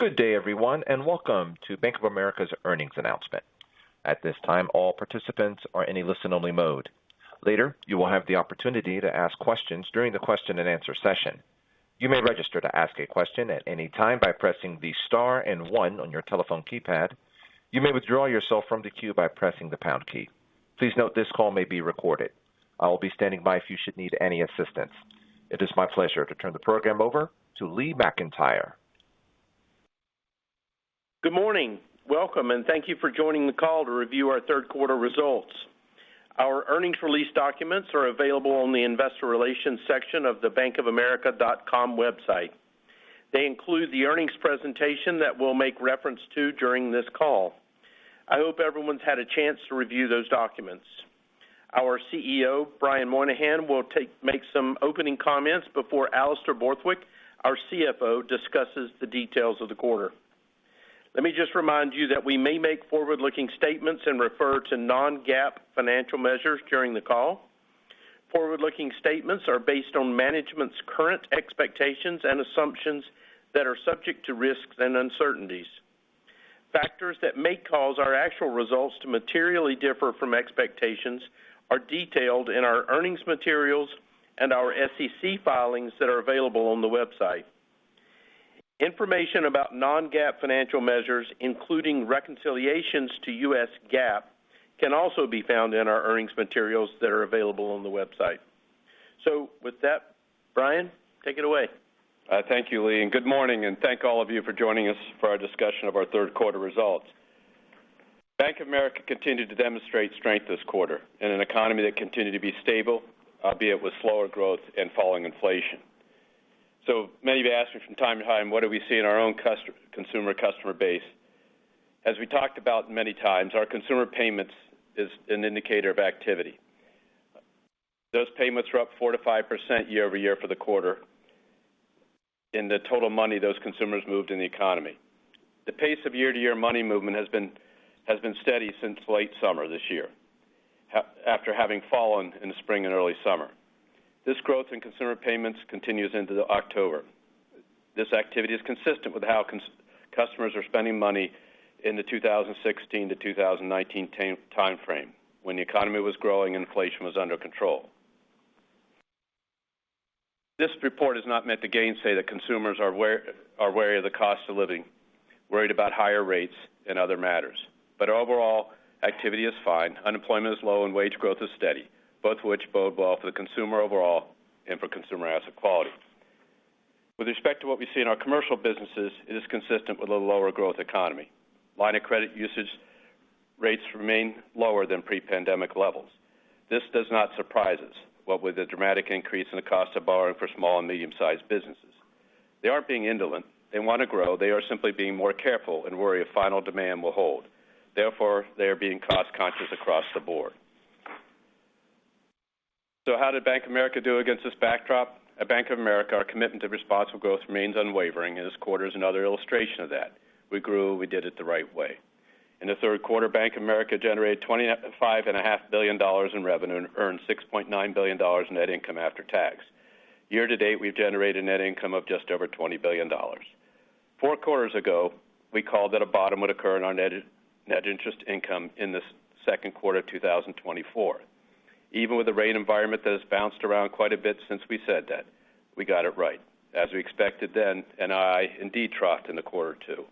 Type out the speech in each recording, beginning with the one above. Good day, everyone, and welcome to Bank of America's earnings announcement. At this time, all participants are in a listen-only mode. Later, you will have the opportunity to ask questions during the question-and-answer session. You may register to ask a question at any time by pressing the star and one on your telephone keypad. You may withdraw yourself from the queue by pressing the pound key. Please note this call may be recorded. I will be standing by if you should need any assistance. It is my pleasure to turn the program over to Lee McEntire. Good morning. Welcome, and thank you for joining the call to review our third quarter results. Our earnings release documents are available on the investor relations section of the bankofamerica.com website. They include the earnings presentation that we'll make reference to during this call. I hope everyone's had a chance to review those documents. Our CEO, Brian Moynihan, will make some opening comments before Alastair Borthwick, our CFO, discusses the details of the quarter. Let me just remind you that we may make forward-looking statements and refer to non-GAAP financial measures during the call. Forward-looking statements are based on management's current expectations and assumptions that are subject to risks and uncertainties. Factors that may cause our actual results to materially differ from expectations are detailed in our earnings materials and our SEC filings that are available on the website. Information about non-GAAP financial measures, including reconciliations to U.S. GAAP, can also be found in our earnings materials that are available on the website. So with that, Brian, take it away. Thank you, Lee. Good morning, and thank all of you for joining us for our discussion of our third quarter results. Bank of America continued to demonstrate strength this quarter in an economy that continued to be stable, albeit with slower growth and falling inflation. Many have asked me from time to time, what do we see in our own consumer customer base? As we talked about many times, our consumer payments is an indicator of activity. Those payments are up 4%-5% year over year for the quarter in the total money those consumers moved in the economy. The pace of year-to-year money movement has been steady since late summer this year, after having fallen in the spring and early summer. This growth in consumer payments continues into October. This activity is consistent with how customers are spending money in the 2016 to 2019 time frame, when the economy was growing and inflation was under control. This report has not meant to gainsay that consumers are wary of the cost of living, worried about higher rates and other matters. But overall, activity is fine. Unemployment is low, and wage growth is steady, both of which bode well for the consumer overall and for consumer asset quality. With respect to what we see in our commercial businesses, it is consistent with a lower growth economy. Line of credit usage rates remain lower than pre-pandemic levels. This does not surprise us, what with the dramatic increase in the cost of borrowing for small and medium-sized businesses. They aren't being indolent. They want to grow. They are simply being more careful and worried if final demand will hold. Therefore, they are being cost-conscious across the board. So how did Bank of America do against this backdrop? At Bank of America, our commitment to responsible growth remains unwavering, and this quarter is another illustration of that. We grew. We did it the right way. In the third quarter, Bank of America generated $25.5 billion in revenue and earned $6.9 billion in net income after tax. Year to date, we've generated net income of just over $20 billion. Four quarters ago, we called that a bottom would occur in our net interest income in this second quarter of 2024. Even with the rate environment that has bounced around quite a bit since we said that, we got it right. As we expected then, NII indeed troughed in the quarter two.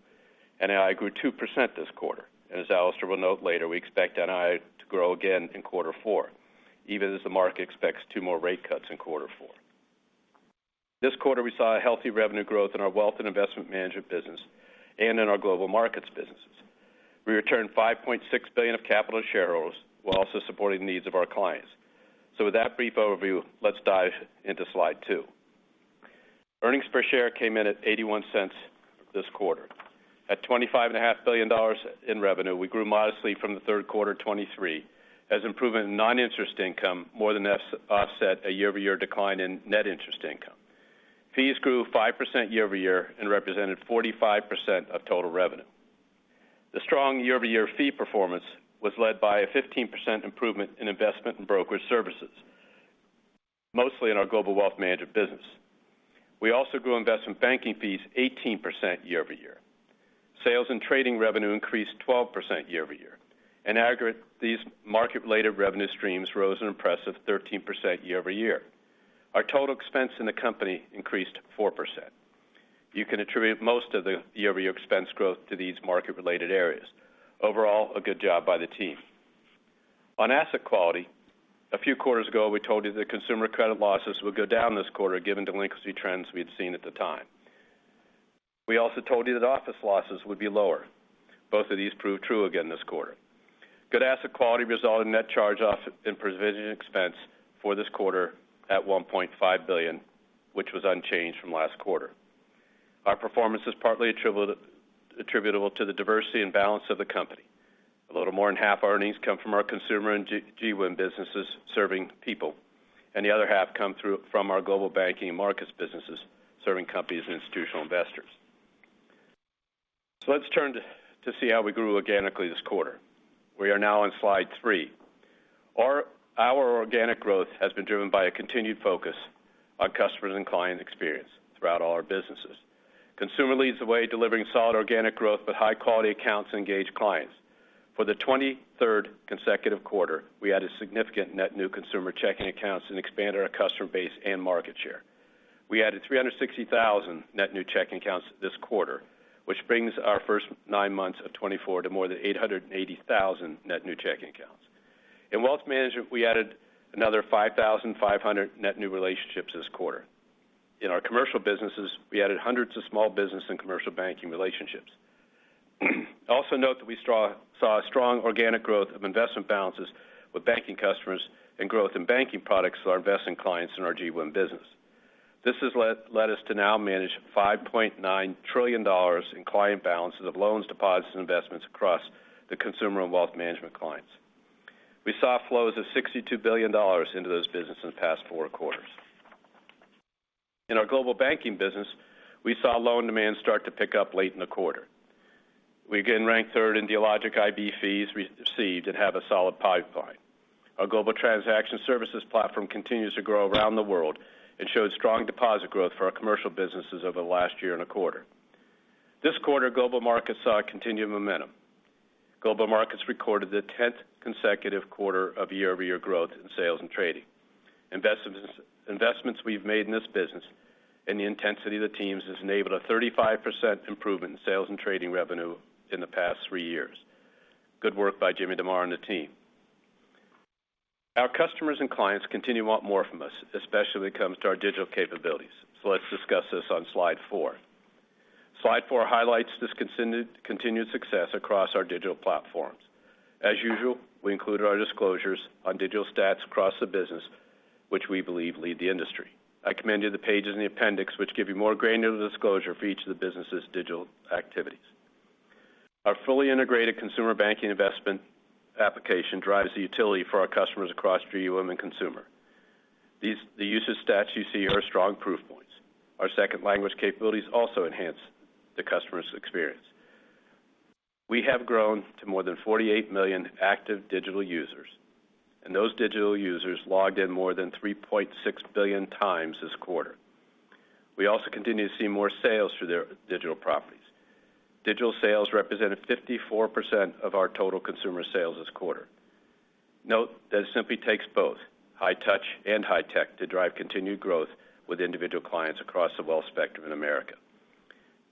NII grew 2% this quarter. As Alastair will note later, we expect NII to grow again in quarter four, even as the market expects two more rate cuts in quarter four. This quarter, we saw a healthy revenue growth in our wealth and investment management business and in our global markets businesses. We returned $5.6 billion of capital to shareholders while also supporting the needs of our clients. So with that brief overview, let's dive into slide two. Earnings per share came in at $0.81 this quarter. At $25.5 billion in revenue, we grew modestly from the third quarter 2023, as improvement in non-interest income more than offset a year-over-year decline in net interest income. Fees grew 5% year-over-year and represented 45% of total revenue. The strong year-over-year fee performance was led by a 15% improvement in investment and brokerage services, mostly in our global wealth management business. We also grew investment banking fees 18% year-over-year. Sales and trading revenue increased 12% year-over-year. In aggregate, these market-related revenue streams rose an impressive 13% year-over-year. Our total expense in the company increased 4%. You can attribute most of the year-over-year expense growth to these market-related areas. Overall, a good job by the team. On asset quality, a few quarters ago, we told you that consumer credit losses would go down this quarter, given the delinquency trends we had seen at the time. We also told you that office losses would be lower. Both of these proved true again this quarter. Good asset quality resulted in net charge-off and provision expense for this quarter at $1.5 billion, which was unchanged from last quarter. Our performance is partly attributable to the diversity and balance of the company. A little more than half of our earnings come from our Consumer and GWIM businesses serving people, and the other half comes from our Global Banking and Markets businesses serving companies and institutional investors. Let's turn to see how we grew organically this quarter. We are now on slide three. Our organic growth has been driven by a continued focus on customers' and clients' experience throughout all our businesses. Consumer leads the way, delivering solid organic growth, but high-quality accounts engage clients. For the 23rd consecutive quarter, we added significant net new consumer checking accounts and expanded our customer base and market share. We added 360,000 net new checking accounts this quarter, which brings our first nine months of 2024 to more than 880,000 net new checking accounts. In Wealth Management, we added another 5,500 net new relationships this quarter. In our commercial businesses, we added hundreds of small business and commercial banking relationships. Also note that we saw a strong organic growth of investment balances with banking customers and growth in banking products of our investment clients in our GWIM business. This has led us to now manage $5.9 trillion in client balances of loans, deposits, and investments across the consumer and wealth management clients. We saw flows of $62 billion into those businesses in the past four quarters. In our global banking business, we saw loan demand start to pick up late in the quarter. We again ranked third in the Dealogic IB fees received and have a solid pipeline. Our global transaction services platform continues to grow around the world and showed strong deposit growth for our commercial businesses over the last year and a quarter. This quarter, global markets saw a continued momentum. Global Markets recorded the 10th consecutive quarter of year-over-year growth in Sales and Trading. Investments we've made in this business and the intensity of the teams has enabled a 35% improvement in sales and trading revenue in the past three years. Good work by Jim DeMare and the team. Our customers and clients continue to want more from us, especially when it comes to our digital capabilities. So let's discuss this on slide four. Slide four highlights this continued success across our digital platforms. As usual, we included our disclosures on digital stats across the business, which we believe lead the industry. I commend to you the pages in the appendix, which give you more granular disclosure for each of the businesses' digital activities. Our fully integrated Consumer Banking investment application drives the utility for our customers across GWIM and consumer. The user stats you see here are strong proof points. Our second language capabilities also enhance the customer's experience. We have grown to more than 48 million active digital users, and those digital users logged in more than 3.6 billion times this quarter. We also continue to see more sales through their digital properties. Digital sales represented 54% of our total consumer sales this quarter. Note that it simply takes both high touch and high tech to drive continued growth with individual clients across the wealth spectrum in America.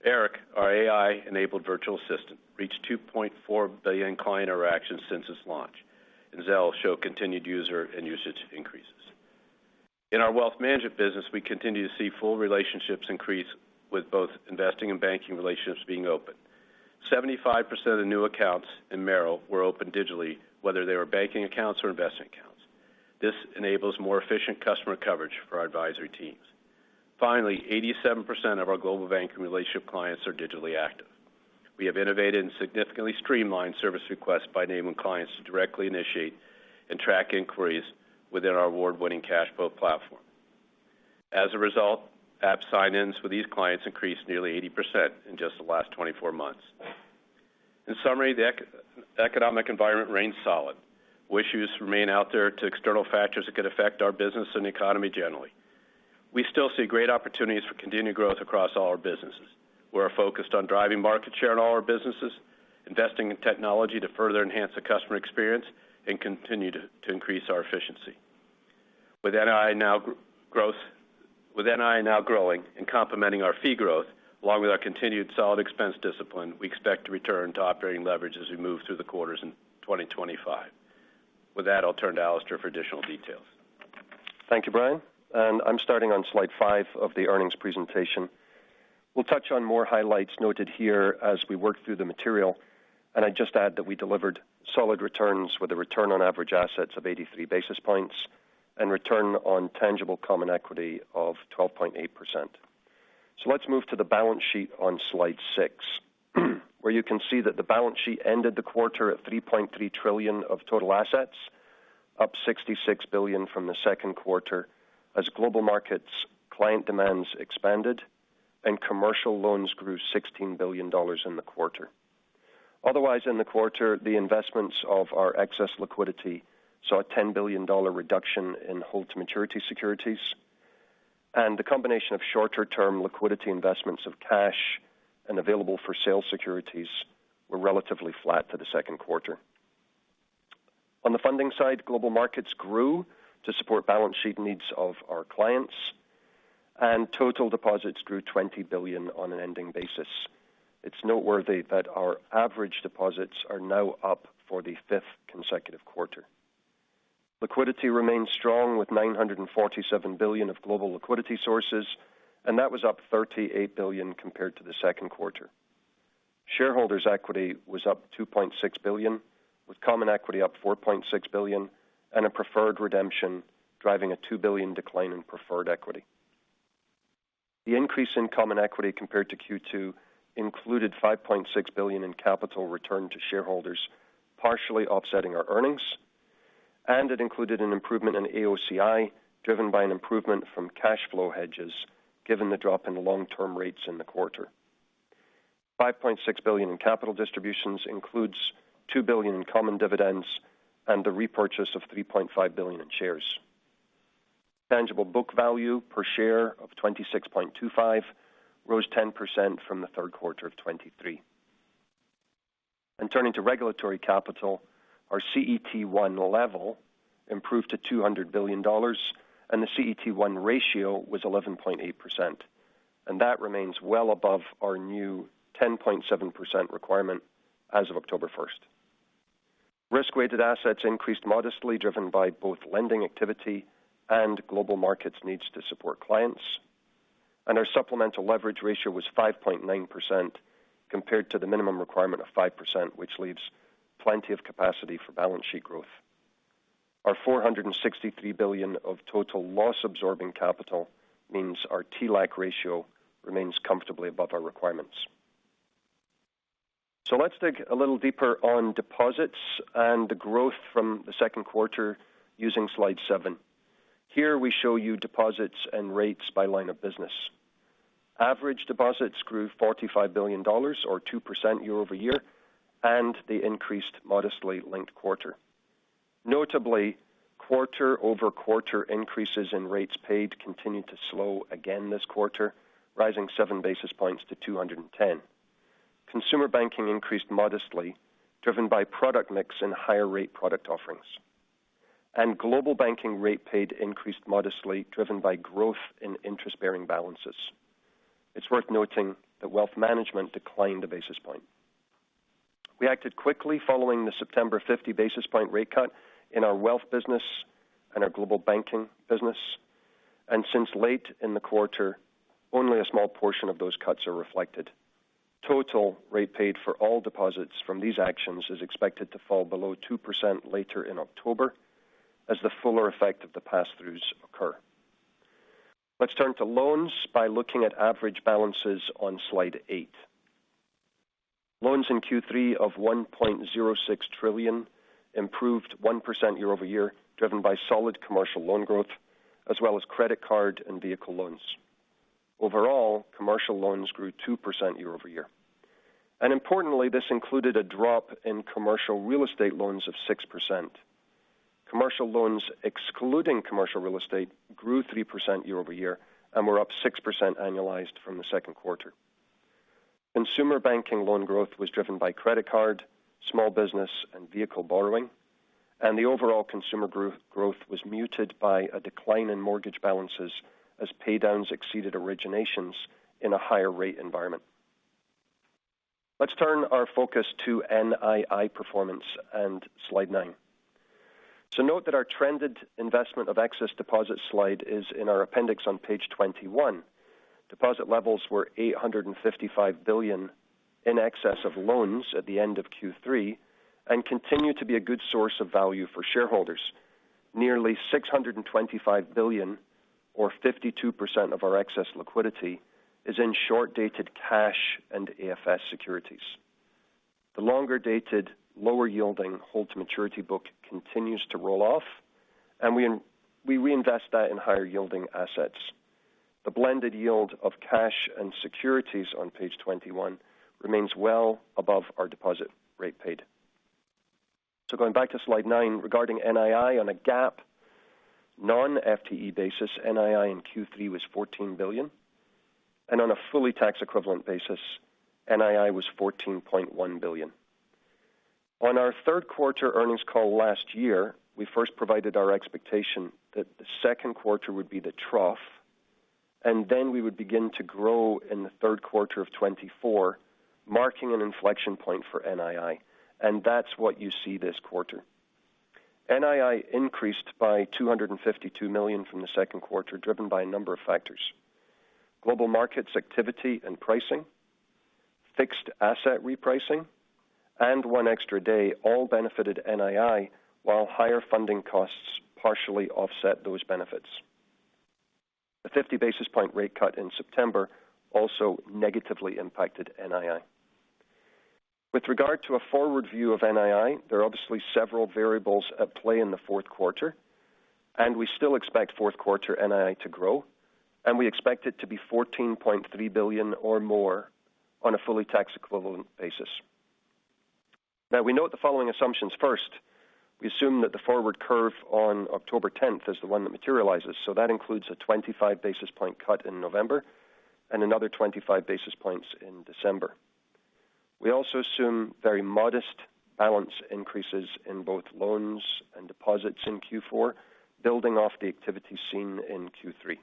Erica, our AI-enabled virtual assistant, reached 2.4 billion client interactions since its launch, and Zelle showed continued user and usage increases. In our wealth management business, we continue to see full relationships increase with both investing and banking relationships being open. 75% of the new accounts in Merrill were open digitally, whether they were banking accounts or investment accounts. This enables more efficient customer coverage for our advisory teams. Finally, 87% of our global banking relationship clients are digitally active. We have innovated and significantly streamlined service requests by enabling clients to directly initiate and track inquiries within our award-winning CashPro platform. As a result, app sign-ins with these clients increased nearly 80% in just the last 24 months. In summary, the economic environment remains solid. Risks remain out there to external factors that could affect our business and economy generally. We still see great opportunities for continued growth across all our businesses. We're focused on driving market share in all our businesses, investing in technology to further enhance the customer experience, and continue to increase our efficiency. With NII now growing and complementing our fee growth, along with our continued solid expense discipline, we expect to return to operating leverage as we move through the quarters in 2025. With that, I'll turn to Alastair for additional details. Thank you, Brian. And I'm starting on slide five of the earnings presentation. We'll touch on more highlights noted here as we work through the material. And I just add that we delivered solid returns with a return on average assets of 83 basis points and return on tangible common equity of 12.8%. So let's move to the balance sheet on slide six, where you can see that the balance sheet ended the quarter at $3.3 trillion of total assets, up $66 billion from the second quarter, as Global Markets client demand expanded, and commercial loans grew $16 billion in the quarter. Otherwise, in the quarter, the investments of our excess liquidity saw a $10 billion reduction in hold-to-maturity securities. And the combination of shorter-term liquidity investments of cash and available-for-sale securities were relatively flat to the second quarter. On the funding side, global markets grew to support balance sheet needs of our clients, and total deposits grew $20 billion on an ending basis. It's noteworthy that our average deposits are now up for the fifth consecutive quarter. Liquidity remained strong with $947 billion of global liquidity sources, and that was up $38 billion compared to the second quarter. Shareholders' equity was up $2.6 billion, with common equity up $4.6 billion, and a preferred redemption driving a $2 billion decline in preferred equity. The increase in common equity compared to Q2 included $5.6 billion in capital return to shareholders, partially offsetting our earnings, and it included an improvement in AOCI driven by an improvement from cash flow hedges, given the drop in long-term rates in the quarter. $5.6 billion in capital distributions includes $2 billion in common dividends and the repurchase of $3.5 billion in shares. Tangible book value per share of $26.25 rose 10% from the third quarter of 2023. And turning to regulatory capital, our CET1 level improved to $200 billion, and the CET1 ratio was 11.8%. And that remains well above our new 10.7% requirement as of October 1st. Risk-weighted assets increased modestly, driven by both lending activity and Global Markets' needs to support clients. And our supplemental leverage ratio was 5.9% compared to the minimum requirement of 5%, which leaves plenty of capacity for balance sheet growth. Our $463 billion of total loss-absorbing capital means our TLAC ratio remains comfortably above our requirements. So let's dig a little deeper on deposits and the growth from the second quarter using slide seven. Here we show you deposits and rates by line of business. Average deposits grew $45 billion, or 2% year-over-year, and they increased modestly linked quarter. Notably, quarter-over-quarter increases in rates paid continued to slow again this quarter, rising 7 basis points to 210. Consumer banking increased modestly, driven by product mix and higher rate product offerings, and global banking rate paid increased modestly, driven by growth in interest-bearing balances. It's worth noting that wealth management declined a basis point. We acted quickly following the September 50 basis point rate cut in our wealth business and our global banking business, and since late in the quarter, only a small portion of those cuts are reflected. Total rate paid for all deposits from these actions is expected to fall below 2% later in October as the fuller effect of the pass-throughs occur. Let's turn to loans by looking at average balances on slide eight. Loans in Q3 of $1.06 trillion improved 1% year-over-year, driven by solid commercial loan growth, as well as credit card and vehicle loans. Overall, commercial loans grew 2% year-over-year. And importantly, this included a drop in commercial real estate loans of 6%. Commercial loans excluding commercial real estate grew 3% year-over-year and were up 6% annualized from the second quarter. Consumer banking loan growth was driven by credit card, small business, and vehicle borrowing. And the overall consumer growth was muted by a decline in mortgage balances as paydowns exceeded originations in a higher rate environment. Let's turn our focus to NII performance and slide nine. So note that our trended investment of excess deposits slide is in our appendix on page 21. Deposit levels were $855 billion in excess of loans at the end of Q3 and continue to be a good source of value for shareholders. Nearly $625 billion, or 52% of our excess liquidity, is in short-dated cash and AFS securities. The longer-dated, lower-yielding hold-to-maturity book continues to roll off, and we reinvest that in higher-yielding assets. The blended yield of cash and securities on page 21 remains well above our deposit rate paid. So going back to slide nine regarding NII on a GAAP, non-FTE basis, NII in Q3 was $14 billion. And on a fully tax equivalent basis, NII was $14.1 billion. On our third quarter earnings call last year, we first provided our expectation that the second quarter would be the trough, and then we would begin to grow in the third quarter of 2024, marking an inflection point for NII. And that's what you see this quarter. NII increased by $252 million from the second quarter, driven by a number of factors: global markets activity and pricing, fixed asset repricing, and one extra day all benefited NII, while higher funding costs partially offset those benefits. The 50 basis point rate cut in September also negatively impacted NII. With regard to a forward view of NII, there are obviously several variables at play in the fourth quarter, and we still expect fourth quarter NII to grow, and we expect it to be $14.3 billion or more on a fully tax equivalent basis. Now, we note the following assumptions. First, we assume that the forward curve on October 10th is the one that materializes. So that includes a 25 basis point cut in November and another 25 basis points in December. We also assume very modest balance increases in both loans and deposits in Q4, building off the activity seen in Q3.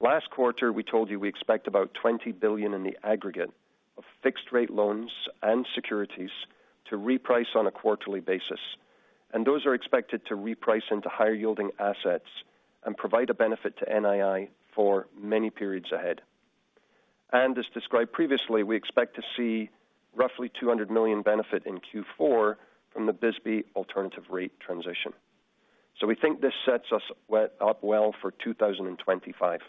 Last quarter, we told you we expect about $20 billion in the aggregate of fixed-rate loans and securities to reprice on a quarterly basis. Those are expected to reprice into higher-yielding assets and provide a benefit to NII for many periods ahead. As described previously, we expect to see roughly $200 million benefit in Q4 from the BSBY alternative rate transition. We think this sets us up well for 2025.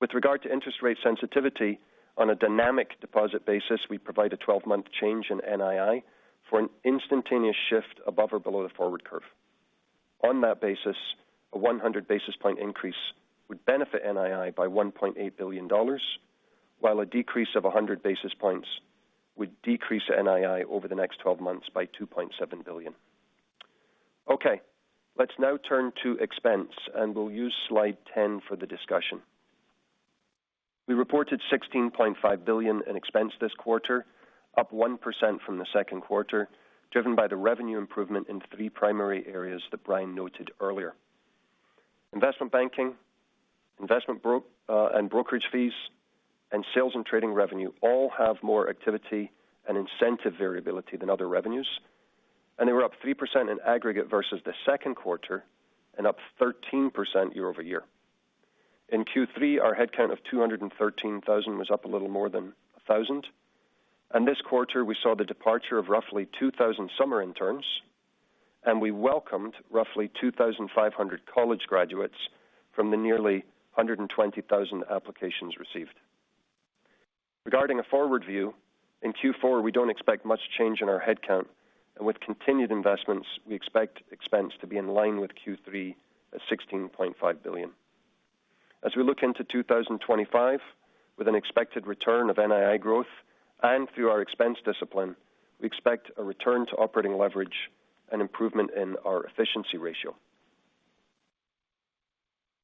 With regard to interest rate sensitivity, on a dynamic deposit basis, we provide a 12-month change in NII for an instantaneous shift above or below the forward curve. On that basis, a 100 basis point increase would benefit NII by $1.8 billion, while a decrease of 100 basis points would decrease NII over the next 12 months by $2.7 billion. Okay. Let's now turn to expense, and we'll use slide 10 for the discussion. We reported $16.5 billion in expense this quarter, up 1% from the second quarter, driven by the revenue improvement in three primary areas that Brian noted earlier. Investment banking, investment and brokerage fees, and sales and trading revenue all have more activity and incentive variability than other revenues. They were up 3% in aggregate versus the second quarter and up 13% year-over-year. In Q3, our headcount of 213,000 was up a little more than 1,000. This quarter, we saw the departure of roughly 2,000 summer interns, and we welcomed roughly 2,500 college graduates from the nearly 120,000 applications received. Regarding a forward view, in Q4, we don't expect much change in our headcount. With continued investments, we expect expense to be in line with Q3 at $16.5 billion. As we look into 2025, with an expected return of NII growth and through our expense discipline, we expect a return to operating leverage and improvement in our efficiency ratio.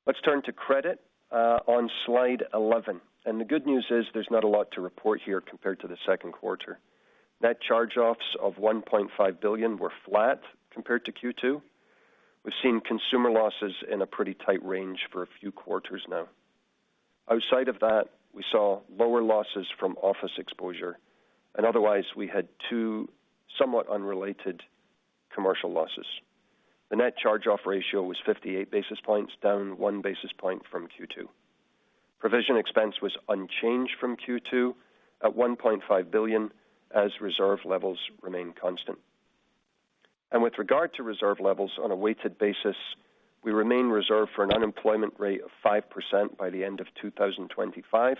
Let's turn to credit on slide 11. The good news is there's not a lot to report here compared to the second quarter. Net charge-offs of $1.5 billion were flat compared to Q2. We've seen consumer losses in a pretty tight range for a few quarters now. Outside of that, we saw lower losses from office exposure. Otherwise, we had two somewhat unrelated commercial losses. The net charge-off ratio was 58 basis points, down one basis point from Q2. Provision expense was unchanged from Q2 at $1.5 billion as reserve levels remain constant. With regard to reserve levels on a weighted basis, we remain reserved for an unemployment rate of 5% by the end of 2025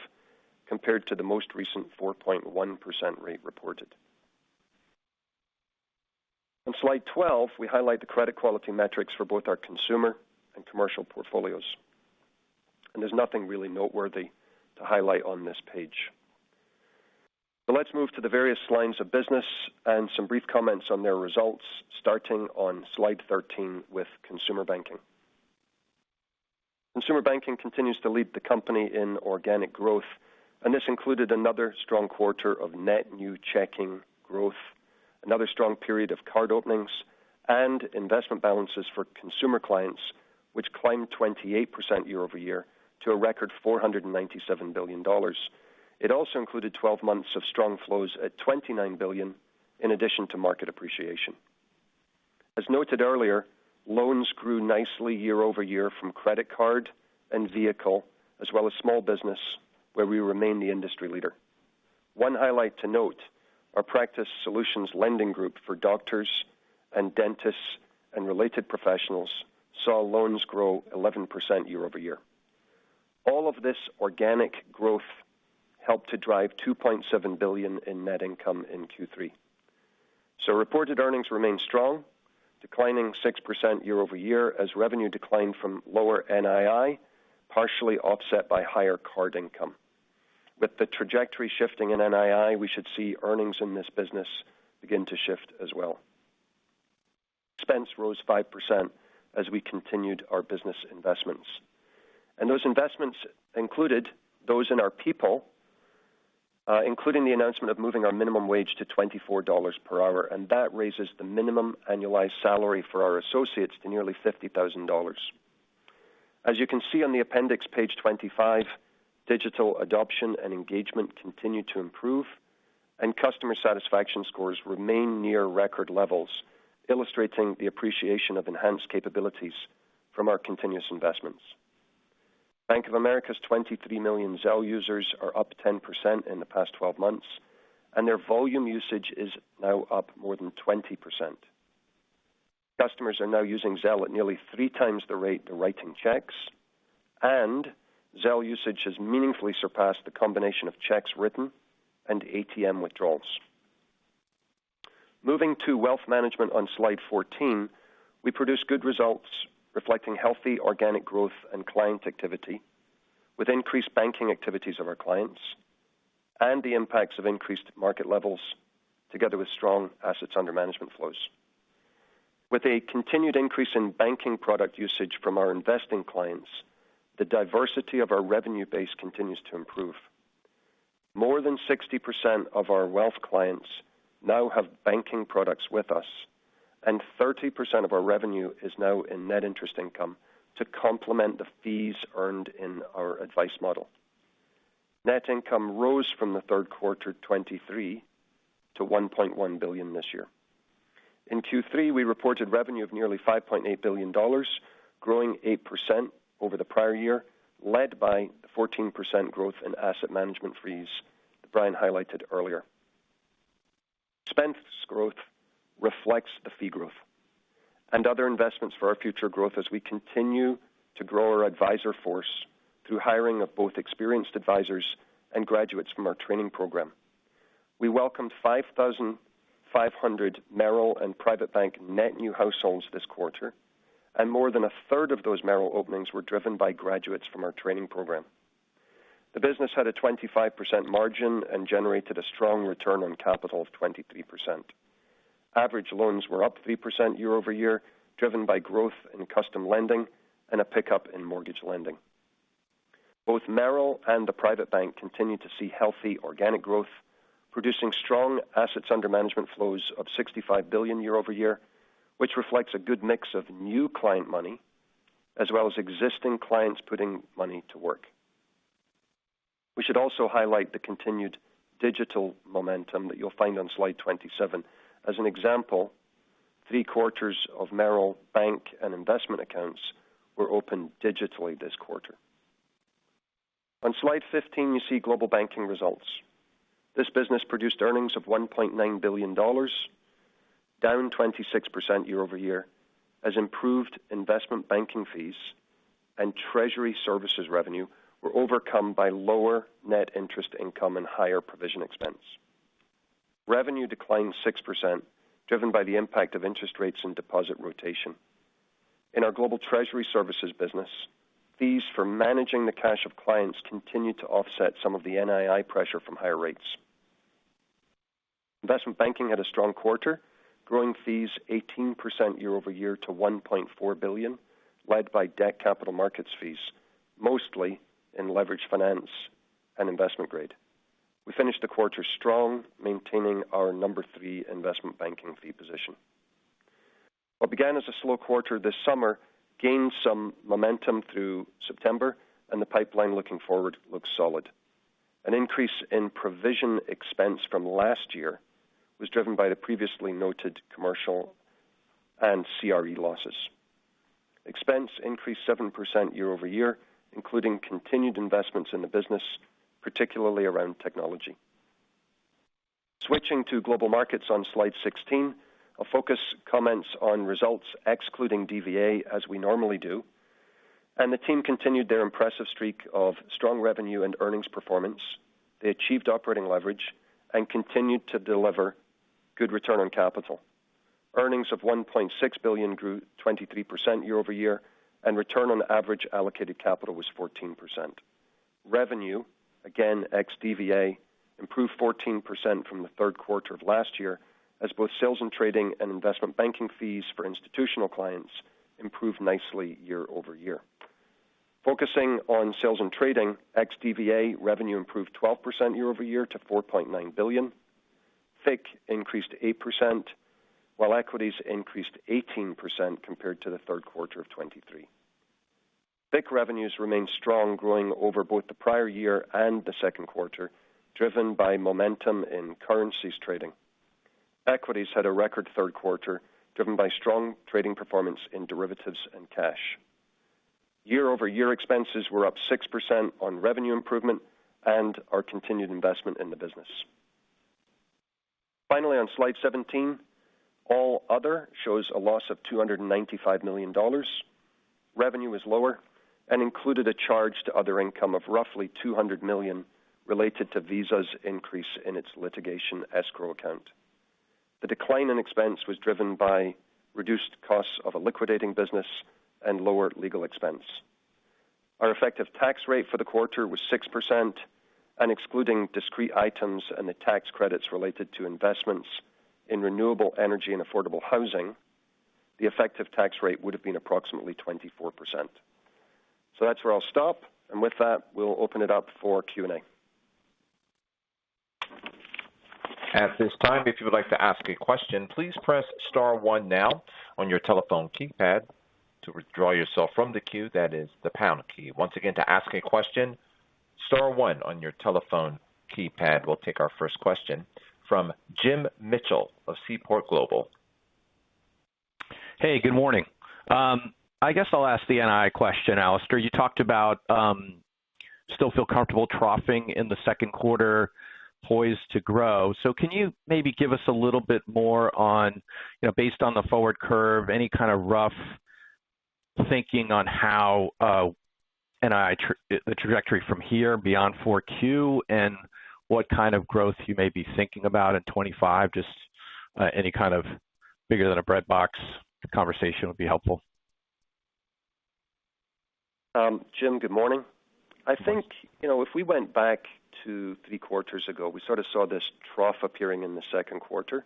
compared to the most recent 4.1% rate reported. On slide 12, we highlight the credit quality metrics for both our consumer and commercial portfolios. There's nothing really noteworthy to highlight on this page. So let's move to the various lines of business and some brief comments on their results, starting on slide 13 with Consumer Banking. Consumer Banking continues to lead the company in organic growth, and this included another strong quarter of net new checking growth, another strong period of card openings, and investment balances for consumer clients, which climbed 28% year-over-year to a record $497 billion. It also included 12 months of strong flows at $29 billion in addition to market appreciation. As noted earlier, loans grew nicely year-over-year from credit card and vehicle, as well as small business, where we remain the industry leader. One highlight to note: our Practice Solutions lending group for doctors and dentists and related professionals saw loans grow 11% year-over-year. All of this organic growth helped to drive $2.7 billion in net income in Q3. Reported earnings remain strong, declining 6% year-over-year as revenue declined from lower NII, partially offset by higher card income. With the trajectory shifting in NII, we should see earnings in this business begin to shift as well. Expense rose 5% as we continued our business investments. Those investments included those in our people, including the announcement of moving our minimum wage to $24 per hour. That raises the minimum annualized salary for our associates to nearly $50,000. As you can see on the appendix, page 25, digital adoption and engagement continue to improve, and customer satisfaction scores remain near record levels, illustrating the appreciation of enhanced capabilities from our continuous investments. Bank of America's 23 million Zelle users are up 10% in the past 12 months, and their volume usage is now up more than 20%. Customers are now using Zelle at nearly three times the rate they're writing checks, and Zelle usage has meaningfully surpassed the combination of checks written and ATM withdrawals. Moving to wealth management on slide 14, we produce good results reflecting healthy organic growth and client activity with increased banking activities of our clients and the impacts of increased market levels together with strong assets under management flows. With a continued increase in banking product usage from our investing clients, the diversity of our revenue base continues to improve. More than 60% of our wealth clients now have banking products with us, and 30% of our revenue is now in net interest income to complement the fees earned in our advice model. Net income rose from the third quarter 2023 to $1.1 billion this year. In Q3, we reported revenue of nearly $5.8 billion, growing 8% over the prior year, led by the 14% growth in asset management fees that Brian highlighted earlier. Expense growth reflects the fee growth and other investments for our future growth as we continue to grow our advisor force through hiring of both experienced advisors and graduates from our training program. We welcomed 5,500 Merrill and Private Bank net new households this quarter, and more than a third of those Merrill openings were driven by graduates from our training program. The business had a 25% margin and generated a strong return on capital of 23%. Average loans were up 3% year-over-year, driven by growth in custom lending and a pickup in mortgage lending. Both Merrill and the Private Bank continue to see healthy organic growth, producing strong assets under management flows of $65 billion year-over-year, which reflects a good mix of new client money as well as existing clients putting money to work. We should also highlight the continued digital momentum that you'll find on slide 27. As an example, three quarters of Merrill bank and investment accounts were opened digitally this quarter. On slide 15, you see global banking results. This business produced earnings of $1.9 billion, down 26% year-over-year, as improved investment banking fees and treasury services revenue were overcome by lower net interest income and higher provision expense. Revenue declined 6%, driven by the impact of interest rates and deposit rotation. In our global treasury services business, fees for managing the cash of clients continue to offset some of the NII pressure from higher rates. Investment banking had a strong quarter, growing fees 18% year-over-year to $1.4 billion, led by debt capital markets fees, mostly in leveraged finance and investment grade. We finished the quarter strong, maintaining our number three investment banking fee position. What began as a slow quarter this summer gained some momentum through September, and the pipeline looking forward looks solid. An increase in provision expense from last year was driven by the previously noted commercial and CRE losses. Expense increased 7% year-over-year, including continued investments in the business, particularly around technology. Switching to global markets on slide 16, I'll focus comments on results excluding DVA, as we normally do, and the team continued their impressive streak of strong revenue and earnings performance. They achieved operating leverage and continued to deliver good return on capital. Earnings of $1.6 billion grew 23% year-over-year, and return on average allocated capital was 14%. Revenue, again ex DVA, improved 14% from the third quarter of last year as both sales and trading and investment banking fees for institutional clients improved nicely year-over-year. Focusing on sales and trading, ex DVA, revenue improved 12% year-over-year to $4.9 billion. FIC increased 8%, while equities increased 18% compared to the third quarter of 2023. FIC revenues remained strong, growing over both the prior year and the second quarter, driven by momentum in currencies trading. Equities had a record third quarter, driven by strong trading performance in derivatives and cash. Year-over-year expenses were up 6% on revenue improvement and our continued investment in the business. Finally, on slide 17, all other shows a loss of $295 million. Revenue was lower and included a charge to other income of roughly $200 million related to Visa’s increase in its litigation escrow account. The decline in expense was driven by reduced costs of a liquidating business and lower legal expense. Our effective tax rate for the quarter was 6%, and excluding discrete items and the tax credits related to investments in renewable energy and affordable housing, the effective tax rate would have been approximately 24%. That's where I'll stop, and with that, we'll open it up for Q&A. At this time, if you would like to ask a question, please press star one now on your telephone keypad to withdraw yourself from the queue. That is the pound key. Once again, to ask a question, star one on your telephone keypad will take our first question from Jim Mitchell of Seaport Global. Hey, good morning. I guess I'll ask the NII question, Alastair. You talked about still feel comfortable troughing in the second quarter, poised to grow. So can you maybe give us a little bit more on, based on the forward curve, any kind of rough thinking on how NII, the trajectory from here beyond 4Q, and what kind of growth you may be thinking about in 2025? Just any kind of bigger than a breadbox conversation would be helpful. Jim, good morning. I think if we went back to three quarters ago, we sort of saw this trough appearing in the second quarter,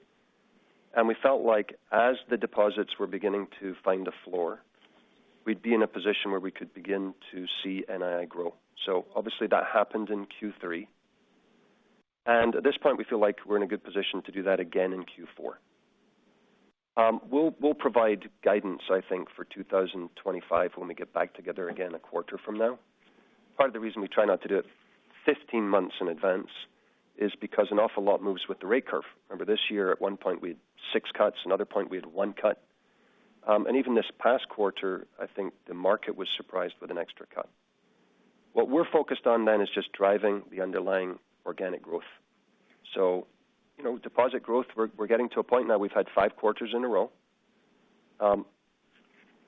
and we felt like as the deposits were beginning to find a floor, we'd be in a position where we could begin to see NII grow, so obviously that happened in Q3, and at this point, we feel like we're in a good position to do that again in Q4. We'll provide guidance, I think, for 2025 when we get back together again a quarter from now. Part of the reason we try not to do it 15 months in advance is because an awful lot moves with the rate curve. Remember, this year at one point we had six cuts. Another point we had one cut, and even this past quarter, I think the market was surprised with an extra cut. What we're focused on then is just driving the underlying organic growth. So deposit growth, we're getting to a point now we've had five quarters in a row.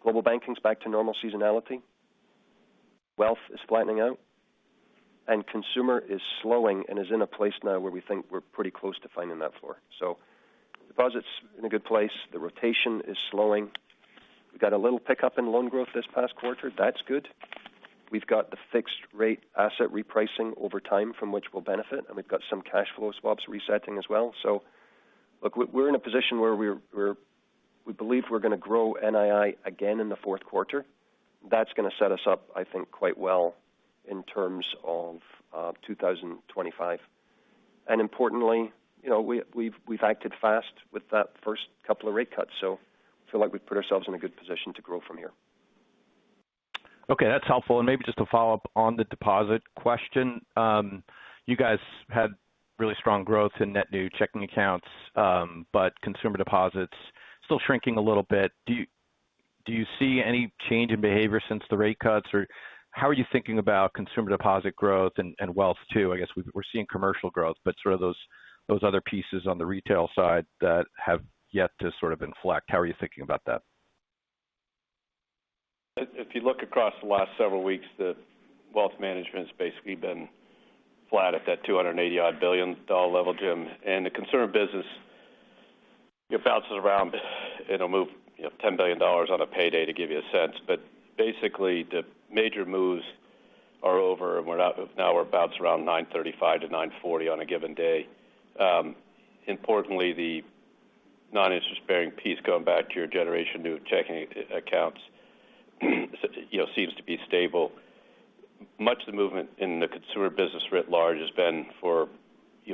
Global Banking's back to normal seasonality. Wealth is flattening out. And Consumer is slowing and is in a place now where we think we're pretty close to finding that floor. So deposits in a good place. The rotation is slowing. We've got a little pickup in loan growth this past quarter. That's good. We've got the fixed rate asset repricing over time from which we'll benefit. And we've got some cash flow swaps resetting as well. So look, we're in a position where we believe we're going to grow NII again in the fourth quarter. That's going to set us up, I think, quite well in terms of 2025. And importantly, we've acted fast with that first couple of rate cuts. So I feel like we've put ourselves in a good position to grow from here. Okay, that's helpful. And maybe just to follow up on the deposit question, you guys had really strong growth in net new checking accounts, but consumer deposits still shrinking a little bit. Do you see any change in behavior since the rate cuts? Or how are you thinking about consumer deposit growth and wealth too? I guess we're seeing commercial growth, but sort of those other pieces on the retail side that have yet to sort of inflect. How are you thinking about that? If you look across the last several weeks, the wealth management's basically been flat at that $280 billion level, Jim. And the consumer business, you bounce it around. It'll move $10 billion on a payday to give you a sense. But basically, the major moves are over. Now we're bounced around $935-$940 on a given day. Importantly, the non-interest-bearing piece going back to your generation new checking accounts seems to be stable. Much of the movement in the consumer business writ large has been for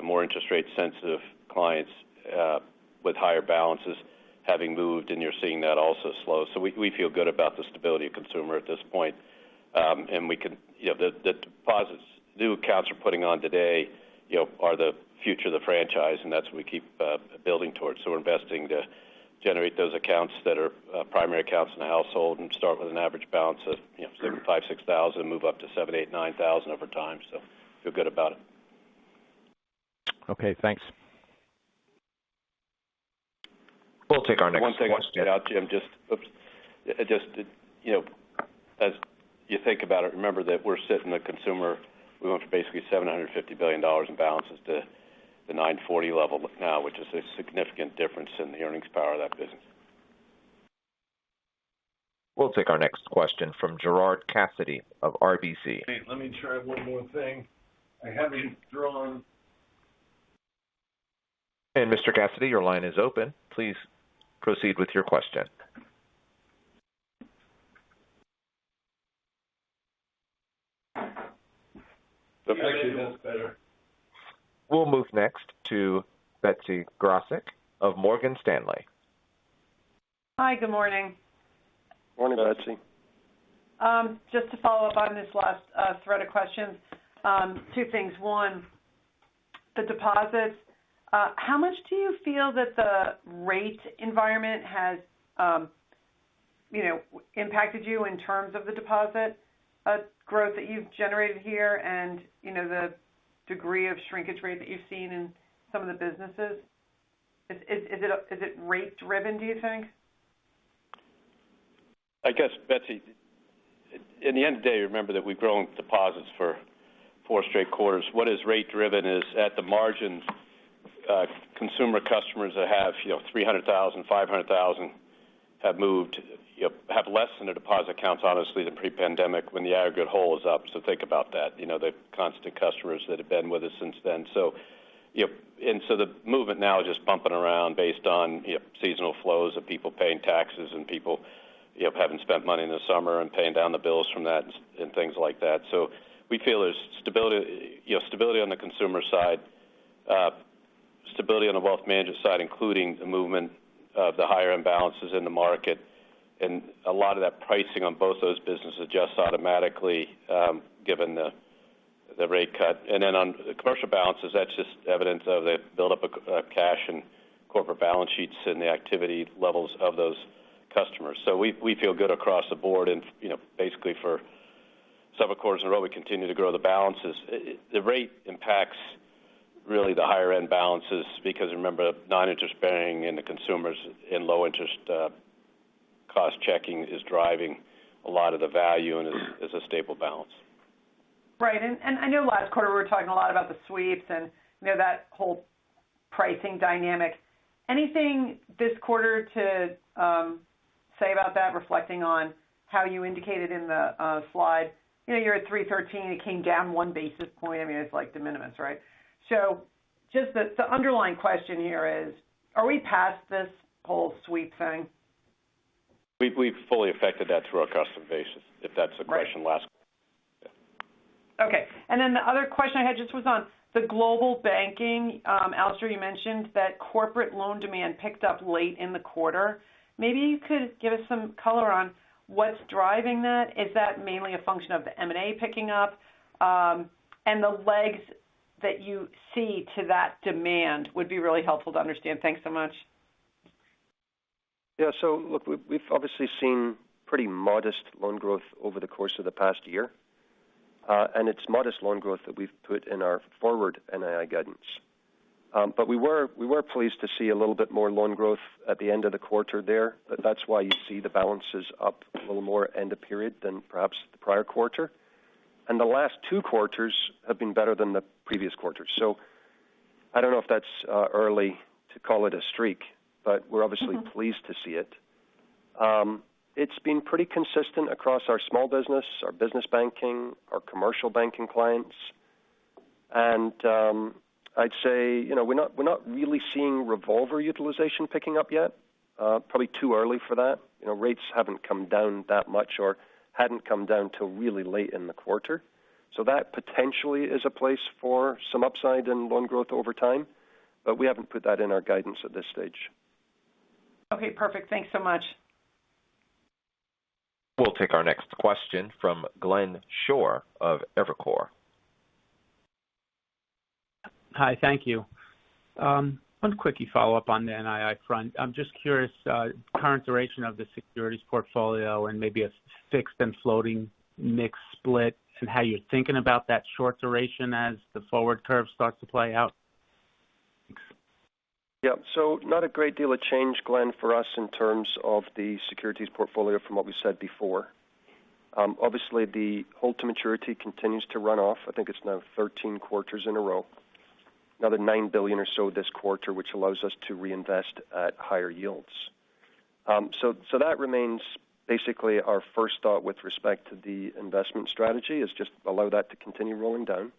more interest rate-sensitive clients with higher balances having moved, and you're seeing that also slow. So we feel good about the stability of consumer at this point. And the deposits new accounts we're putting on today are the future of the franchise, and that's what we keep building towards. So we're investing to generate those accounts that are primary accounts in a household and start with an average balance of $5,000, $6,000, move up to $7,000, $8,000, $9,000 over time. So feel good about it. Okay, thanks. We'll take our next question. One thing I'll shout out, Jim. Just as you think about it, remember that we're sitting a consumer we went from basically $750 billion in balances to the $940 level now, which is a significant difference in the earnings power of that business. We'll take our next question from Gerard Cassidy of RBC. Let me try one more thing. I haven't drawn. And Mr. Cassidy, your line is open. Please proceed with your question. The picture looks better. We'll move next to Betsy Graseck of Morgan Stanley. Hi, good morning. Morning, Betsy. Just to follow up on this last thread of questions, two things. One, the deposits, how much do you feel that the rate environment has impacted you in terms of the deposit growth that you've generated here and the degree of shrinkage rate that you've seen in some of the businesses? Is it rate-driven, do you think? I guess, Betsy, in the end of the day, remember that we've grown deposits for four straight quarters. What is rate-driven is at the margins, consumer customers that have $300,000, $500,000 have moved, have less than their deposit accounts, honestly, than pre-pandemic when the aggregate hold is up. So think about that. The constant customers that have been with us since then. And so the movement now is just bumping around based on seasonal flows of people paying taxes and people having spent money in the summer and paying down the bills from that and things like that. So we feel there's stability on the consumer side, stability on the wealth management side, including the movement of the higher balances in the market. And a lot of that pricing on both those businesses adjusts automatically given the rate cut. And then on the commercial balances, that's just evidence of they've built up cash on corporate balance sheets and the activity levels of those customers. So we feel good across the board. And basically, for several quarters in a row, we continue to grow the balances. The rate impacts really the higher-end balances because, remember, non-interest-bearing in the consumers and low-interest cost checking is driving a lot of the value and is a stable balance. Right. And I know last quarter we were talking a lot about the sweeps and that whole pricing dynamic. Anything this quarter to say about that, reflecting on how you indicated in the slide? You're at 313. It came down one basis point. I mean, it's like de minimis, right? So just the underlying question here is, are we past this whole sweep thing? We've fully affected that through our custom basis, if that's the question last. Okay. And then the other question I had just was on the Global Banking. Alastair, you mentioned that corporate loan demand picked up late in the quarter. Maybe you could give us some color on what's driving that. Is that mainly a function of the M&A picking up? And the legs that you see to that demand would be really helpful to understand. Thanks so much. Yeah. So look, we've obviously seen pretty modest loan growth over the course of the past year. And it's modest loan growth that we've put in our forward NII guidance. But we were pleased to see a little bit more loan growth at the end of the quarter there. But that's why you see the balances up a little more end of period than perhaps the prior quarter. And the last two quarters have been better than the previous quarter. So I don't know if that's early to call it a streak, but we're obviously pleased to see it. It's been pretty consistent across our small business, our business banking, our commercial banking clients. And I'd say we're not really seeing revolver utilization picking up yet. Probably too early for that. Rates haven't come down that much or hadn't come down till really late in the quarter. So that potentially is a place for some upside in loan growth over time. But we haven't put that in our guidance at this stage. Okay, perfect. Thanks so much. We'll take our next question from Glenn Schorr of Evercore. Hi, thank you. One quickie follow-up on the NII front. I'm just curious, current duration of the securities portfolio and maybe a fixed and floating mix split and how you're thinking about that short duration as the forward curve starts to play out. Thanks. Yep. So not a great deal of change, Glenn, for us in terms of the securities portfolio from what we said before. Obviously, the hold to maturity continues to run off. I think it's now 13 quarters in a row. Another $9 billion or so this quarter, which allows us to reinvest at higher yields. So that remains basically our first thought with respect to the investment strategy is just allow that to continue rolling down.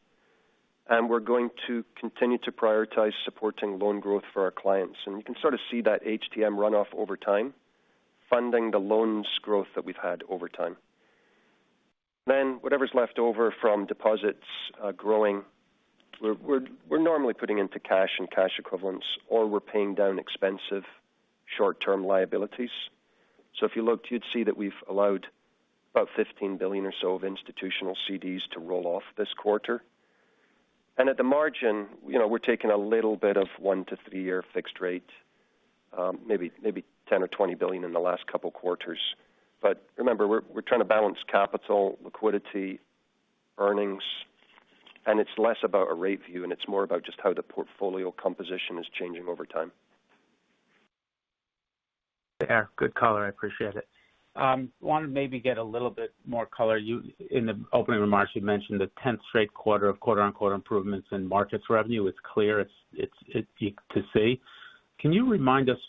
And we're going to continue to prioritize supporting loan growth for our clients. And you can sort of see that HTM runoff over time funding the loans growth that we've had over time. Then whatever's left over from deposits growing, we're normally putting into cash and cash equivalents, or we're paying down expensive short-term liabilities. So if you looked, you'd see that we've allowed about $15 billion or so of institutional CDs to roll off this quarter. And at the margin, we're taking a little bit of one to three-year fixed rate, maybe $10 or $20 billion in the last couple of quarters. But remember, we're trying to balance capital, liquidity, earnings. And it's less about a rate view, and it's more about just how the portfolio composition is changing over time. Yeah, good color. I appreciate it. Wanted to maybe get a little bit more color. In the opening remarks, you mentioned the 10th straight quarter of quote-unquote improvements in markets revenue. It's clear. It's easy to see. Can you remind us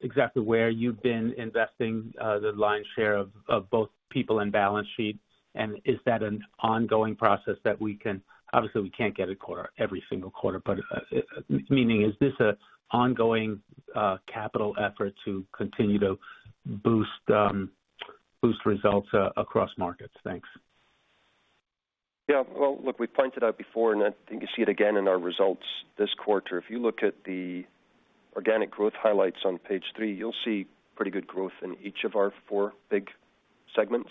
exactly where you've been investing the lion's share of both people and balance sheet? And is that an ongoing process that we can obviously, we can't get a quarter every single quarter, but meaning is this an ongoing capital effort to continue to boost results across markets? Thanks. Yeah. Well, look, we pointed out before, and I think you see it again in our results this quarter. If you look at the organic growth highlights on page three, you'll see pretty good growth in each of our four big segments.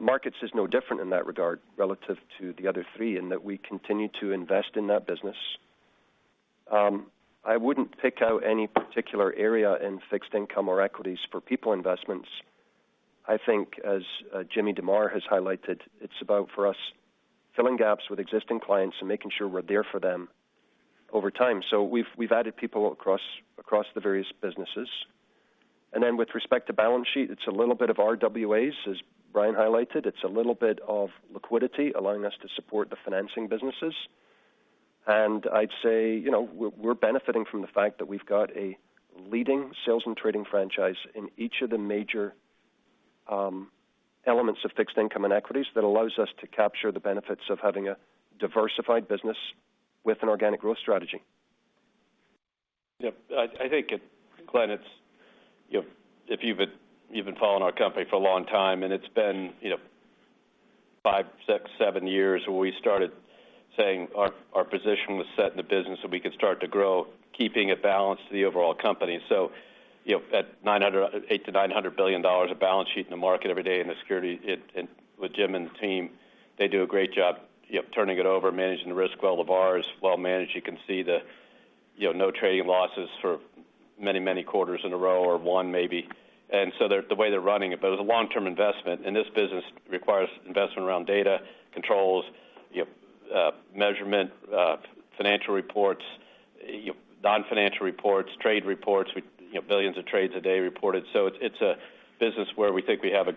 Markets is no different in that regard relative to the other three in that we continue to invest in that business. I wouldn't pick out any particular area in fixed income or equities for people investments. I think, as Jim DeMare has highlighted, it's about for us filling gaps with existing clients and making sure we're there for them over time. So we've added people across the various businesses. And then with respect to balance sheet, it's a little bit of RWAs, as Brian highlighted. It's a little bit of liquidity allowing us to support the financing businesses. And I'd say we're benefiting from the fact that we've got a leading sales and trading franchise in each of the major elements of fixed income and equities that allows us to capture the benefits of having a diversified business with an organic growth strategy. Yeah. I think, Glenn, if you've been following our company for a long time, and it's been five, six, seven years where we started saying our position was set in the business that we could start to grow, keeping it balanced to the overall company, so at $800-$900 billion of balance sheet in the market every day in securities with Jim and the team, they do a great job turning it over, managing the risk well. Of ours, well managed. You can see no trading losses for many, many quarters in a row or one maybe. And so the way they're running it, but it was a long-term investment. And this business requires investment around data, controls, measurement, financial reports, non-financial reports, trade reports, billions of trades a day reported. So it's a business where we think we have a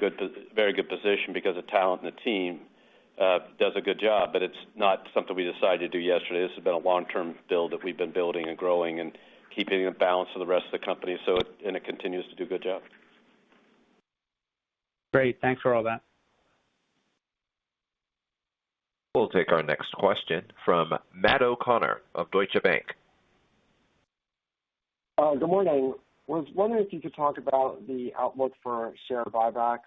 very good position because the talent and the team does a good job. But it's not something we decided to do yesterday. This has been a long-term build that we've been building and growing and keeping in balance for the rest of the company. And it continues to do a good job. Great. Thanks for all that. We'll take our next question from Matt O'Connor of Deutsche Bank. Good morning. I was wondering if you could talk about the outlook for share buybacks.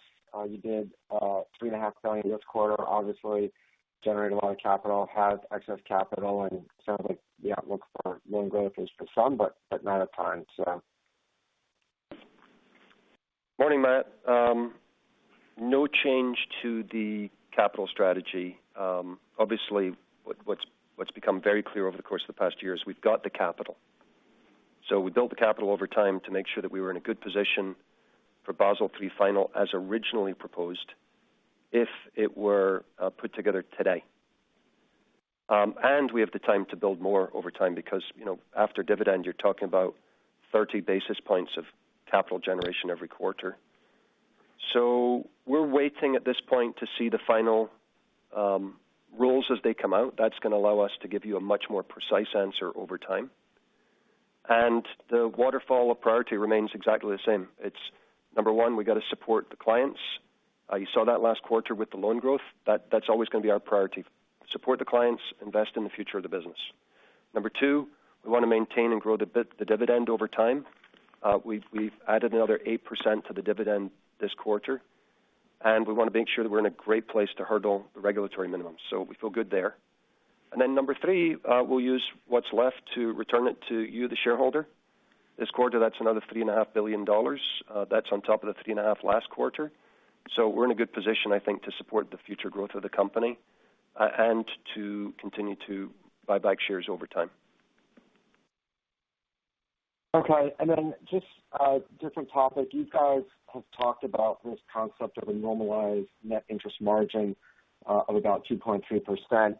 You did $3.5 billion this quarter, obviously generated a lot of capital, had excess capital, and it sounds like the outlook for loan growth is for some, but not a ton, so. Morning, Matt. No change to the capital strategy. Obviously, what's become very clear over the course of the past year is we've got the capital. So we built the capital over time to make sure that we were in a good position for Basel III final as originally proposed if it were put together today. And we have the time to build more over time because after dividend, you're talking about 30 basis points of capital generation every quarter. So we're waiting at this point to see the final rules as they come out. That's going to allow us to give you a much more precise answer over time. And the waterfall of priority remains exactly the same. It's, number one, we got to support the clients. You saw that last quarter with the loan growth. That's always going to be our priority. Support the clients, invest in the future of the business. Number two, we want to maintain and grow the dividend over time. We've added another 8% to the dividend this quarter. We want to make sure that we're in a great place to hurdle the regulatory minimum. We feel good there. Number three, we'll use what's left to return it to you, the shareholder. This quarter, that's another $3.5 billion. That's on top of the $3.5 billion last quarter. We're in a good position, I think, to support the future growth of the company and to continue to buy back shares over time. Okay. Just a different topic. You guys have talked about this concept of a normalized net interest margin of about 2.3%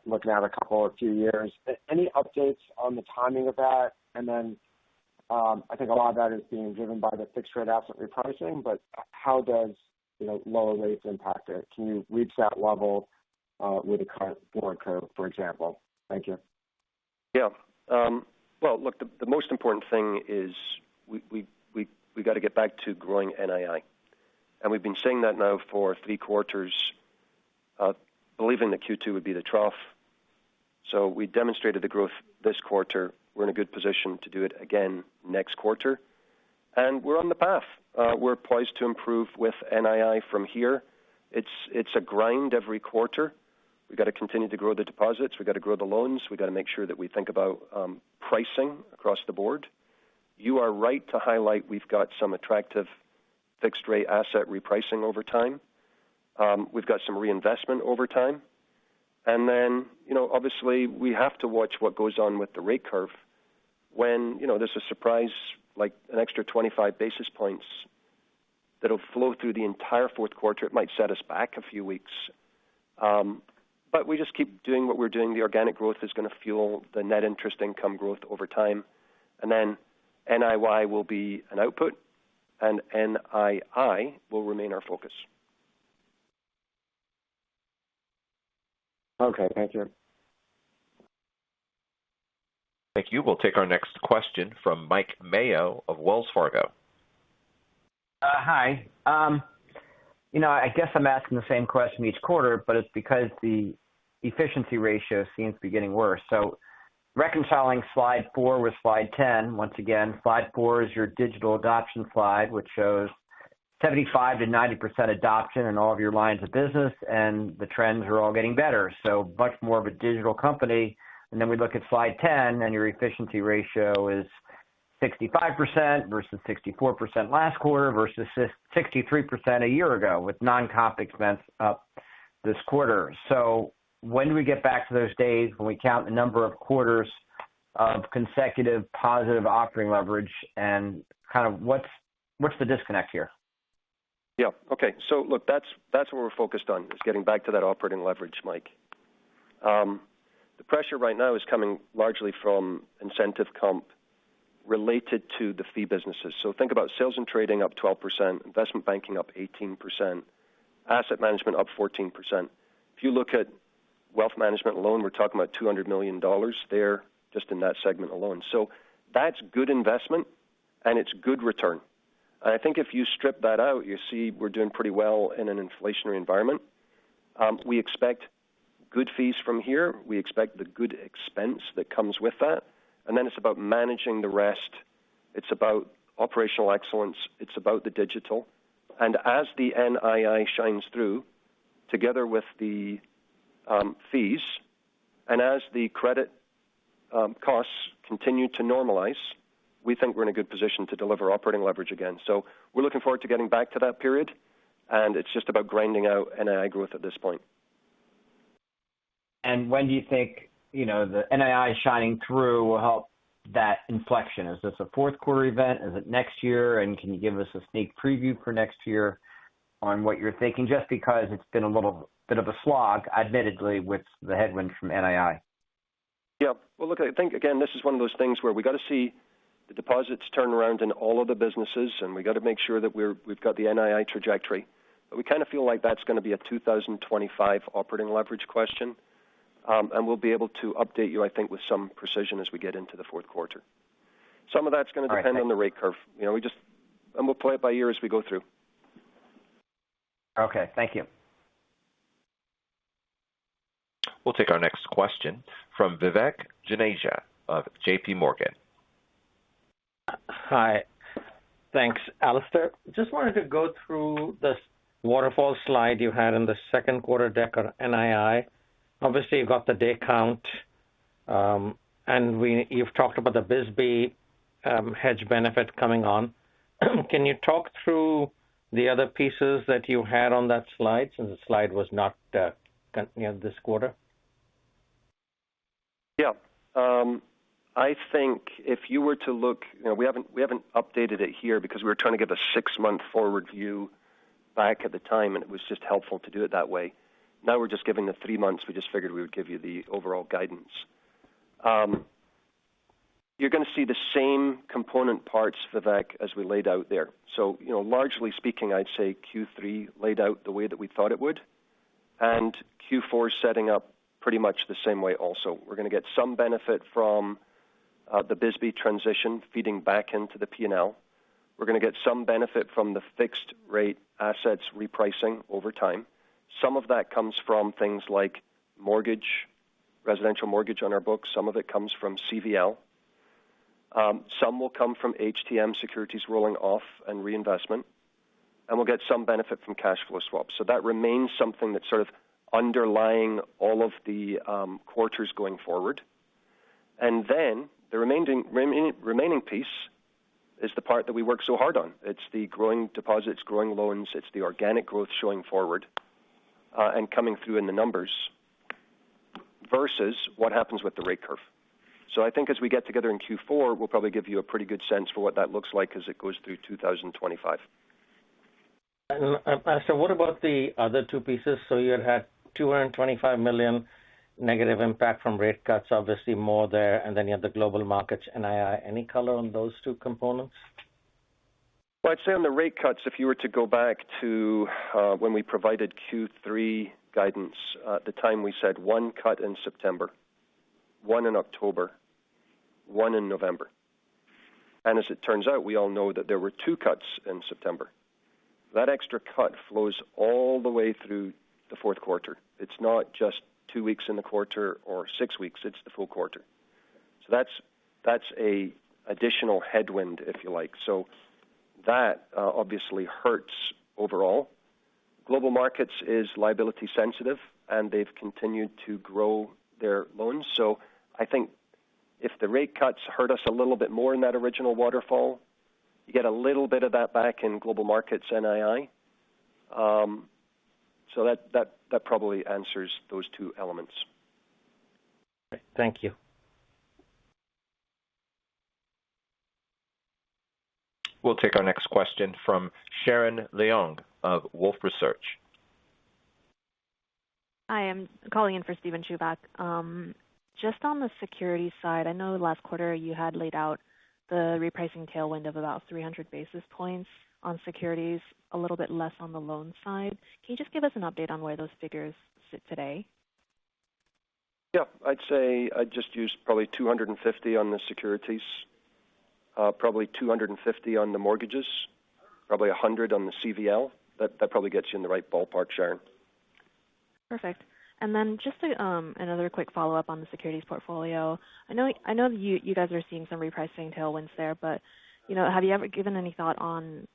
looking out a couple or few years. Any updates on the timing of that? I think a lot of that is being driven by the fixed rate asset repricing, but how does lower rates impact it? Can you reach that level with a current forward curve, for example? Thank you. Yeah, well, look, the most important thing is we got to get back to growing NII, and we've been saying that now for three quarters, believing that Q2 would be the trough, so we demonstrated the growth this quarter. We're in a good position to do it again next quarter, and we're on the path. We're poised to improve with NII from here. It's a grind every quarter. We got to continue to grow the deposits. We got to grow the loans. We got to make sure that we think about pricing across the board. You are right to highlight we've got some attractive fixed rate asset repricing over time. We've got some reinvestment over time, and then, obviously, we have to watch what goes on with the rate curve. When there's a surprise, like an extra 25 basis points that will flow through the entire fourth quarter, it might set us back a few weeks. But we just keep doing what we're doing. The organic growth is going to fuel the net interest income growth over time. And then NII will be an output, and NII will remain our focus. Okay. Thank you. Thank you. We'll take our next question from Mike Mayo of Wells Fargo. Hi. I guess I'm asking the same question each quarter, but it's because the efficiency ratio seems to be getting worse. So reconciling slide 4 with slide 10, once again, slide 4 is your digital adoption slide, which shows 75%-90% adoption in all of your lines of business, and the trends are all getting better. So much more of a digital company. Then we look at slide 10, and your efficiency ratio is 65% versus 64% last quarter versus 63% a year ago with non-comp expense up this quarter. So when do we get back to those days when we count the number of quarters of consecutive positive operating leverage and kind of what's the disconnect here? Yeah. Okay. So look, that's what we're focused on, is getting back to that operating leverage, Mike. The pressure right now is coming largely from incentive comp related to the fee businesses. So think about sales and trading up 12%, investment banking up 18%, asset management up 14%. If you look at Wealth Management loan, we're talking about $200 million there just in that segment alone. So that's good investment, and it's good return. And I think if you strip that out, you see we're doing pretty well in an inflationary environment. We expect good fees from here. We expect the good expense that comes with that. And then it's about managing the rest. It's about operational excellence. It's about the digital. And as the NII shines through together with the fees and as the credit costs continue to normalize, we think we're in a good position to deliver operating leverage again. So we're looking forward to getting back to that period. And it's just about grinding out NII growth at this point. And when do you think the NII shining through will help that inflection? Is this a fourth quarter event? Is it next year? And can you give us a sneak preview for next year on what you're thinking? Just because it's been a little bit of a slog, admittedly, with the headwind from NII. Yeah. Well, look, I think, again, this is one of those things where we got to see the deposits turn around in all of the businesses, and we got to make sure that we've got the NII trajectory. But we kind of feel like that's going to be a 2025 operating leverage question. And we'll be able to update you, I think, with some precision as we get into the fourth quarter. Some of that's going to depend on the rate curve. And we'll play it by ear as we go through. Okay. Thank you. We'll take our next question from Vivek Juneja of JPMorgan. Hi. Thanks, Alastair. Just wanted to go through this waterfall slide you had in the second quarter deck on NII. Obviously, you've got the day count. And you've talked about the BSBY hedge benefit coming on. Can you talk through the other pieces that you had on that slide since the slide was not this quarter? Yeah. I think if you were to look, we haven't updated it here because we were trying to give a six-month forward view back at the time, and it was just helpful to do it that way. Now we're just giving the three months. We just figured we would give you the overall guidance. You're going to see the same component parts, Vivek, as we laid out there. So largely speaking, I'd say Q3 laid out the way that we thought it would, and Q4 setting up pretty much the same way also. We're going to get some benefit from the BSBY transition feeding back into the P&L. We're going to get some benefit from the fixed rate assets repricing over time. Some of that comes from things like mortgage, residential mortgage on our books. Some of it comes from CVL. Some will come from HTM securities rolling off and reinvestment, and we'll get some benefit from cash flow swaps, so that remains something that's sort of underlying all of the quarters going forward, and then the remaining piece is the part that we work so hard on. It's the growing deposits, growing loans. It's the organic growth showing forward and coming through in the numbers versus what happens with the rate curve, so I think as we get together in Q4, we'll probably give you a pretty good sense for what that looks like as it goes through 2025. So Alastair, what about the other two pieces? So you had had $225 million negative impact from rate cuts, obviously more there, and then you have the global markets, NII. Any color on those two components? I'd say on the rate cuts, if you were to go back to when we provided Q3 guidance, at the time we said one cut in September, one in October, one in November. And as it turns out, we all know that there were two cuts in September. That extra cut flows all the way through the fourth quarter. It's not just two weeks in the quarter or six weeks. It's the full quarter. So that's an additional headwind, if you like. So that obviously hurts overall. Global Markets is liability-sensitive, and they've continued to grow their loans. So I think if the rate cuts hurt us a little bit more in that original waterfall, you get a little bit of that back in Global Markets, NII. So that probably answers those two elements. Okay. Thank you. We'll take our next question from Sharon Leung of Wolfe Research. Hi. I'm calling in for Steven Chubak. Just on the security side, I know last quarter you had laid out the repricing tailwind of about 300 basis points on securities, a little bit less on the loan side. Can you just give us an update on where those figures sit today? Yeah. I'd say I'd just use probably 250 on the securities, probably 250 on the mortgages, probably 100 on the CVL. That probably gets you in the right ballpark, Sharon. Perfect. And then just another quick follow-up on the securities portfolio. I know you guys are seeing some repricing tailwinds there, but have you ever given any thought on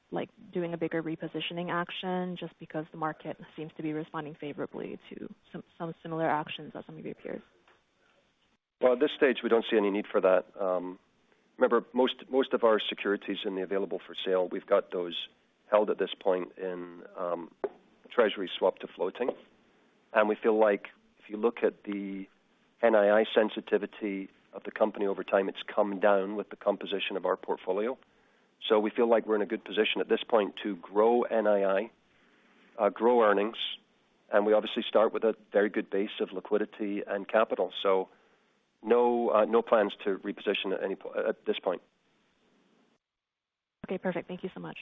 doing a bigger repositioning action just because the market seems to be responding favorably to some similar actions that some of your peers? At this stage, we don't see any need for that. Remember, most of our securities in the available-for-sale, we've got those held at this point in Treasury swap to floating, and we feel like if you look at the NII sensitivity of the company over time, it's come down with the composition of our portfolio, so we feel like we're in a good position at this point to grow NII, grow earnings, and we obviously start with a very good base of liquidity and capital, so no plans to reposition at this point. Okay. Perfect. Thank you so much.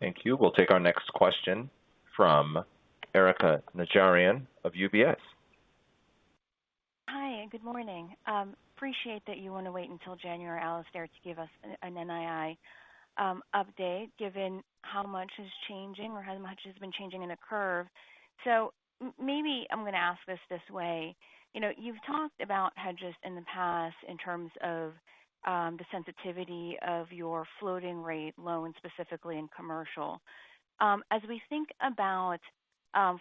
Thank you. We'll take our next question from Erica Najarian of UBS. Hi. Good morning. Appreciate that you want to wait until January, Alastair, to give us an NII update given how much is changing or how much has been changing in the curve. So maybe I'm going to ask this way. You've talked about hedges in the past in terms of the sensitivity of your floating rate loans, specifically in commercial. As we think about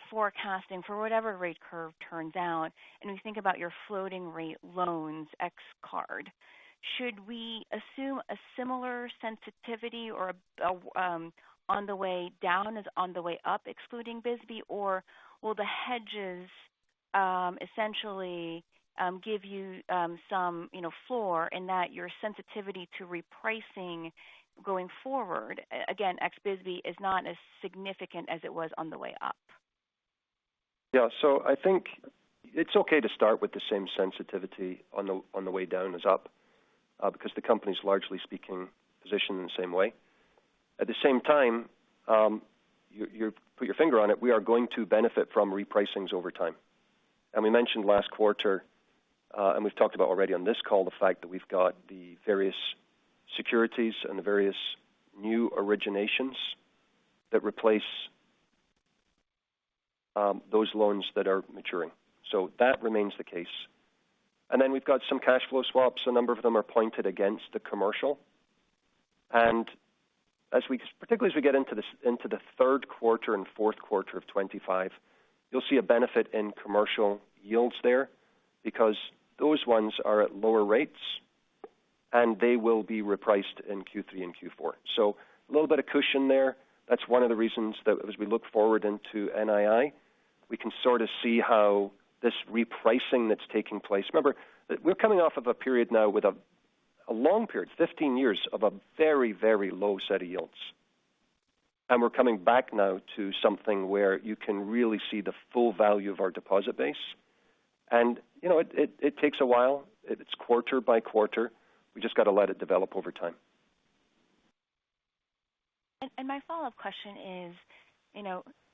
forecasting for whatever rate curve turns out and we think about your floating rate loans ex card, should we assume a similar sensitivity or on the way down as on the way up, excluding BSBY? Or will the hedges essentially give you some floor in that your sensitivity to repricing going forward, again, ex BSBY, is not as significant as it was on the way up? Yeah. So I think it's okay to start with the same sensitivity on the way down as up because the company's, largely speaking, positioned in the same way. At the same time, you put your finger on it, we are going to benefit from repricings over time. And we mentioned last quarter, and we've talked about already on this call, the fact that we've got the various securities and the various new originations that replace those loans that are maturing. So that remains the case. And then we've got some cash flow swaps. A number of them are pointed against the commercial. And particularly as we get into the third quarter and fourth quarter of 2025, you'll see a benefit in commercial yields there because those ones are at lower rates, and they will be repriced in Q3 and Q4. So a little bit of cushion there. That's one of the reasons that as we look forward into NII, we can sort of see how this repricing that's taking place. Remember, we're coming off of a period now with a long period, 15 years of a very, very low set of yields. We're coming back now to something where you can really see the full value of our deposit base. It takes a while. It's quarter by quarter. We just got to let it develop over time. My follow-up question is,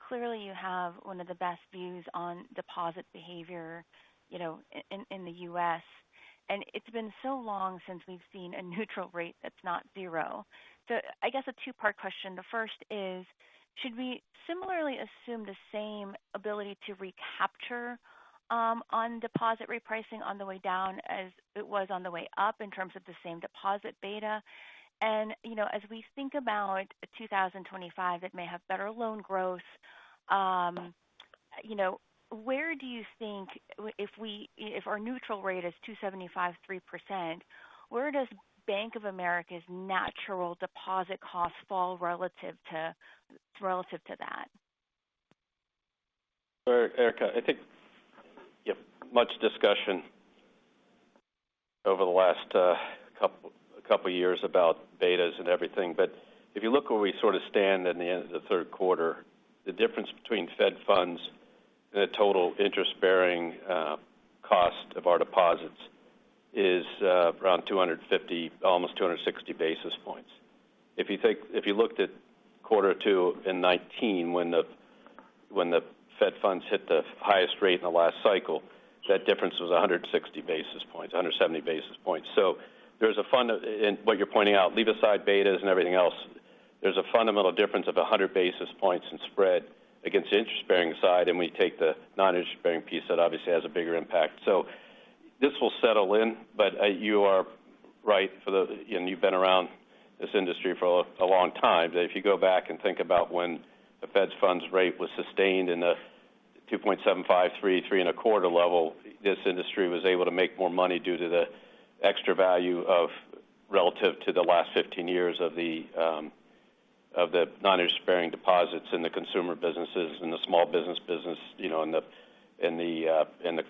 clearly, you have one of the best views on deposit behavior in the U.S. It's been so long since we've seen a neutral rate that's not zero. I guess a two-part question. The first is, should we similarly assume the same ability to recapture on deposit repricing on the way down as it was on the way up in terms of the same deposit beta? As we think about 2025, it may have better loan growth. Where do you think if our neutral rate is 2.75% to 3% where does Bank of America's natural deposit cost fall relative to that? Erica, I think you have much discussion over the last couple of years about betas and everything. But if you look where we sort of stand at the end of the third quarter, the difference between Fed funds and the total interest-bearing cost of our deposits is around almost 260 basis points. If you looked at quarter two in 2019, when the Fed funds hit the highest rate in the last cycle, that difference was 160 basis points, 170 basis points. So there's a fundamental—what you're pointing out, leave aside betas and everything else—there's a fundamental difference of 100 basis points in spread against the interest-bearing side. And we take the non-interest-bearing piece that obviously has a bigger impact. So this will settle in. But you are right. And you've been around this industry for a long time. If you go back and think about when the Fed's funds rate was sustained in the 2.75 to 3 and a quarter level, this industry was able to make more money due to the extra value relative to the last 15 years of the non-interest-bearing deposits in the consumer businesses and the small business business and the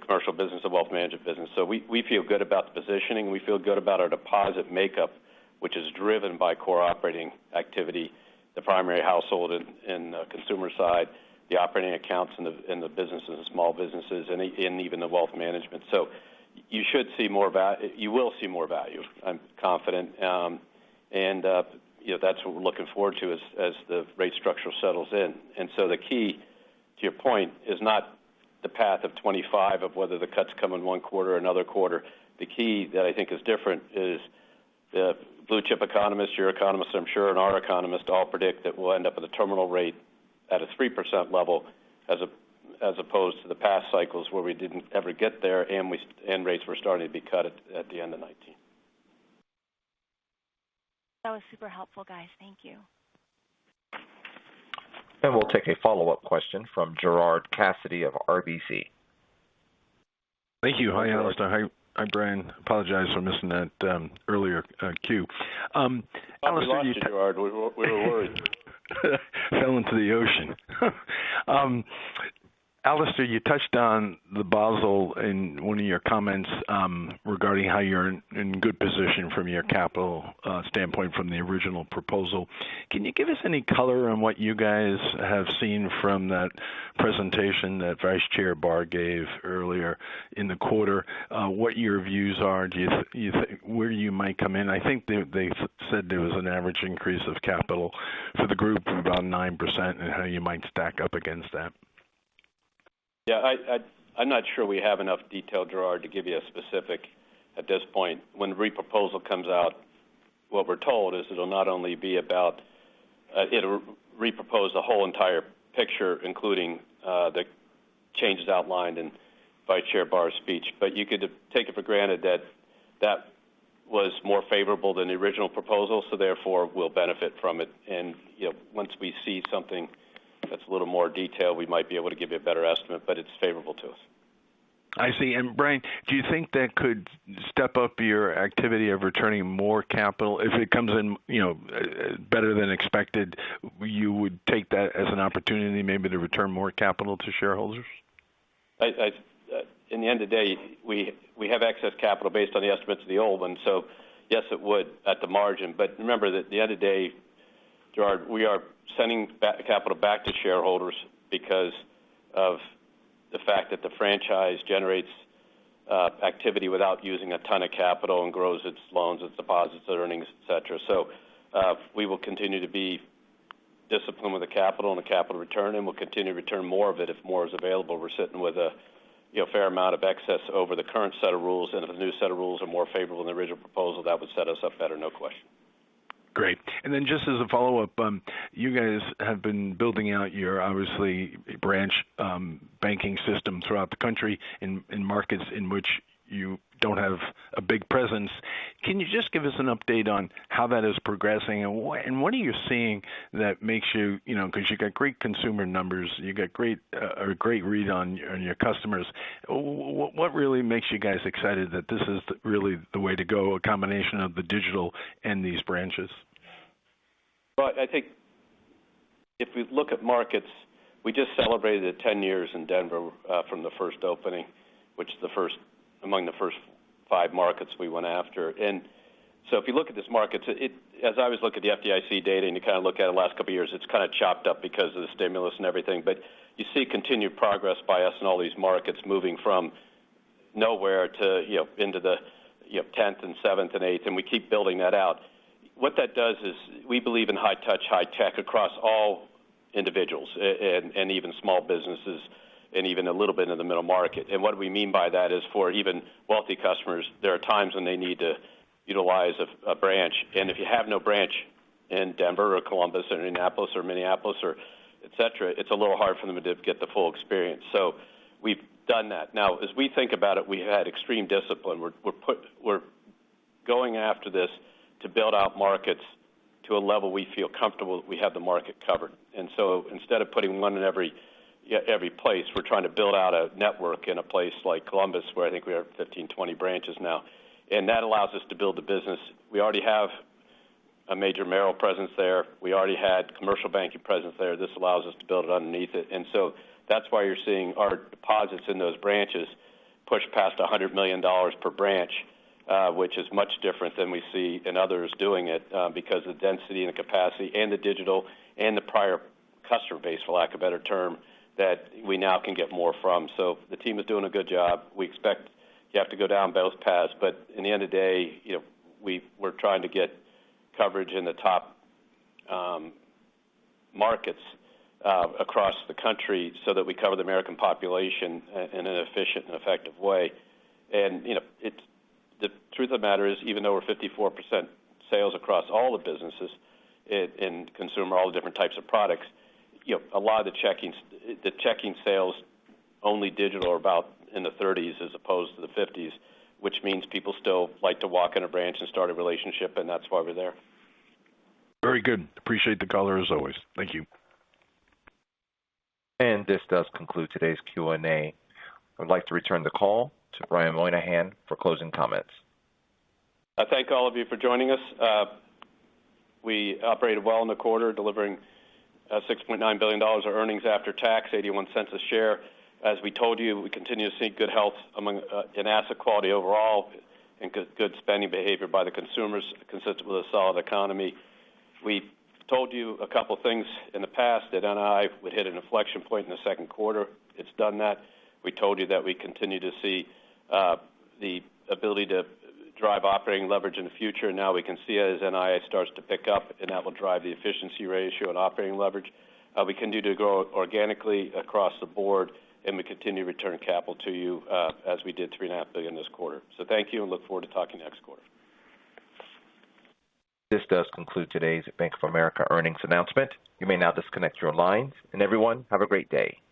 commercial business, the wealth management business. So we feel good about the positioning. We feel good about our deposit makeup, which is driven by core operating activity, the primary household in the consumer side, the operating accounts in the businesses and small businesses, and even the wealth management. So you should see more, you will see more value, I'm confident, and that's what we're looking forward to as the rate structure settles in. And so the key to your point is not the path of '25 of whether the cuts come in one quarter or another quarter. The key that I think is different is the blue-chip economists, your economists, I'm sure, and our economists all predict that we'll end up at a terminal rate at a 3% level as opposed to the past cycles where we didn't ever get there and rates were starting to be cut at the end of '19. That was super helpful, guys. Thank you. And we'll take a follow-up question from Gerard Cassidy of RBC. Thank you. Hi, Alastair. Hi, Brian. Apologize for missing that earlier cue. Alastair. Hi, Gerard. We were worried. Fell into the ocean. Alastair, you touched on the Basel III in one of your comments regarding how you're in good position from your capital standpoint from the original proposal. Can you give us any color on what you guys have seen from that presentation that Vice Chair Barr gave earlier in the quarter, what your views are, where you might come in? I think they said there was an average increase of capital for the group of about 9% and how you might stack up against that. Yeah. I'm not sure we have enough detail, Gerard, to give you a specific at this point. When the re-proposal comes out, what we're told is it'll not only be about re-propose the whole entire picture, including the changes outlined in Vice Chair Barr's speech. But you could take it for granted that that was more favorable than the original proposal. So therefore, we'll benefit from it. Once we see something that's a little more detailed, we might be able to give you a better estimate, but it's favorable to us. I see. Brian, do you think that could step up your activity of returning more capital if it comes in better than expected? You would take that as an opportunity maybe to return more capital to shareholders? At the end of the day, we have excess capital based on the estimates of the old one. So yes, it would at the margin. But remember that at the end of the day, Gerard, we are sending capital back to shareholders because of the fact that the franchise generates activity without using a ton of capital and grows its loans, its deposits, its earnings, etc. So we will continue to be disciplined with the capital and the capital return. We'll continue to return more of it if more is available. We're sitting with a fair amount of excess over the current set of rules. If the new set of rules are more favorable than the original proposal, that would set us up better, no question. Great. Then just as a follow-up, you guys have been building out your, obviously, branch banking system throughout the country in markets in which you don't have a big presence. Can you just give us an update on how that is progressing? What are you seeing that makes you, because you got great consumer numbers, you got a great read on your customers, what really makes you guys excited that this is really the way to go, a combination of the digital and these branches? I think if we look at markets, we just celebrated 10 years in Denver from the first opening, which is among the first five markets we went after. And so if you look at this market, as I was looking at the FDIC data and you kind of look at it the last couple of years, it's kind of chopped up because of the stimulus and everything. But you see continued progress by us in all these markets moving from nowhere to into the 10th and 7th and 8th. And we keep building that out. What that does is we believe in high touch, high tech across all individuals and even small businesses and even a little bit in the middle market. And what we mean by that is for even wealthy customers, there are times when they need to utilize a branch. And if you have no branch in Denver or Columbus or Indianapolis or Minneapolis or etc., it's a little hard for them to get the full experience. So we've done that. Now, as we think about it, we've had extreme discipline. We're going after this to build out markets to a level we feel comfortable that we have the market covered. And so instead of putting one in every place, we're trying to build out a network in a place like Columbus where I think we have 15-20 branches now. And that allows us to build the business. We already have a major Merrill presence there. We already had commercial banking presence there. This allows us to build it underneath it. And so that's why you're seeing our deposits in those branches push past $100 million per branch, which is much different than we see in others doing it because of the density and the capacity and the digital and the prior customer base, for lack of a better term, that we now can get more from. So the team is doing a good job. We expect you have to go down both paths. But in the end of the day, we're trying to get coverage in the top markets across the country so that we cover the American population in an efficient and effective way. The truth of the matter is, even though we're 54% sales across all the businesses in consumer all the different types of products, a lot of the checking sales only digital are about in the 30s% as opposed to the 50s%, which means people still like to walk in a branch and start a relationship. That's why we're there. Very good. Appreciate the color as always. Thank you. This does conclude today's Q&A. I'd like to return the call to Brian Moynihan for closing comments. I thank all of you for joining us. We operated well in the quarter, delivering $6.9 billion of earnings after tax, $0.81 a share. As we told you, we continue to see good health in asset quality overall and good spending behavior by the consumers, consistent with a solid economy. We told you a couple of things in the past that NII would hit an inflection point in the second quarter. It's done that. We told you that we continue to see the ability to drive operating leverage in the future, and now we can see it as NII starts to pick up, and that will drive the efficiency ratio and operating leverage. We continue to grow organically across the board and we continue to return capital to you as we did $3.5 billion this quarter, so thank you and look forward to talking next quarter. This does conclude today's Bank of America earnings announcement. You may now disconnect your lines, and everyone, have a great day.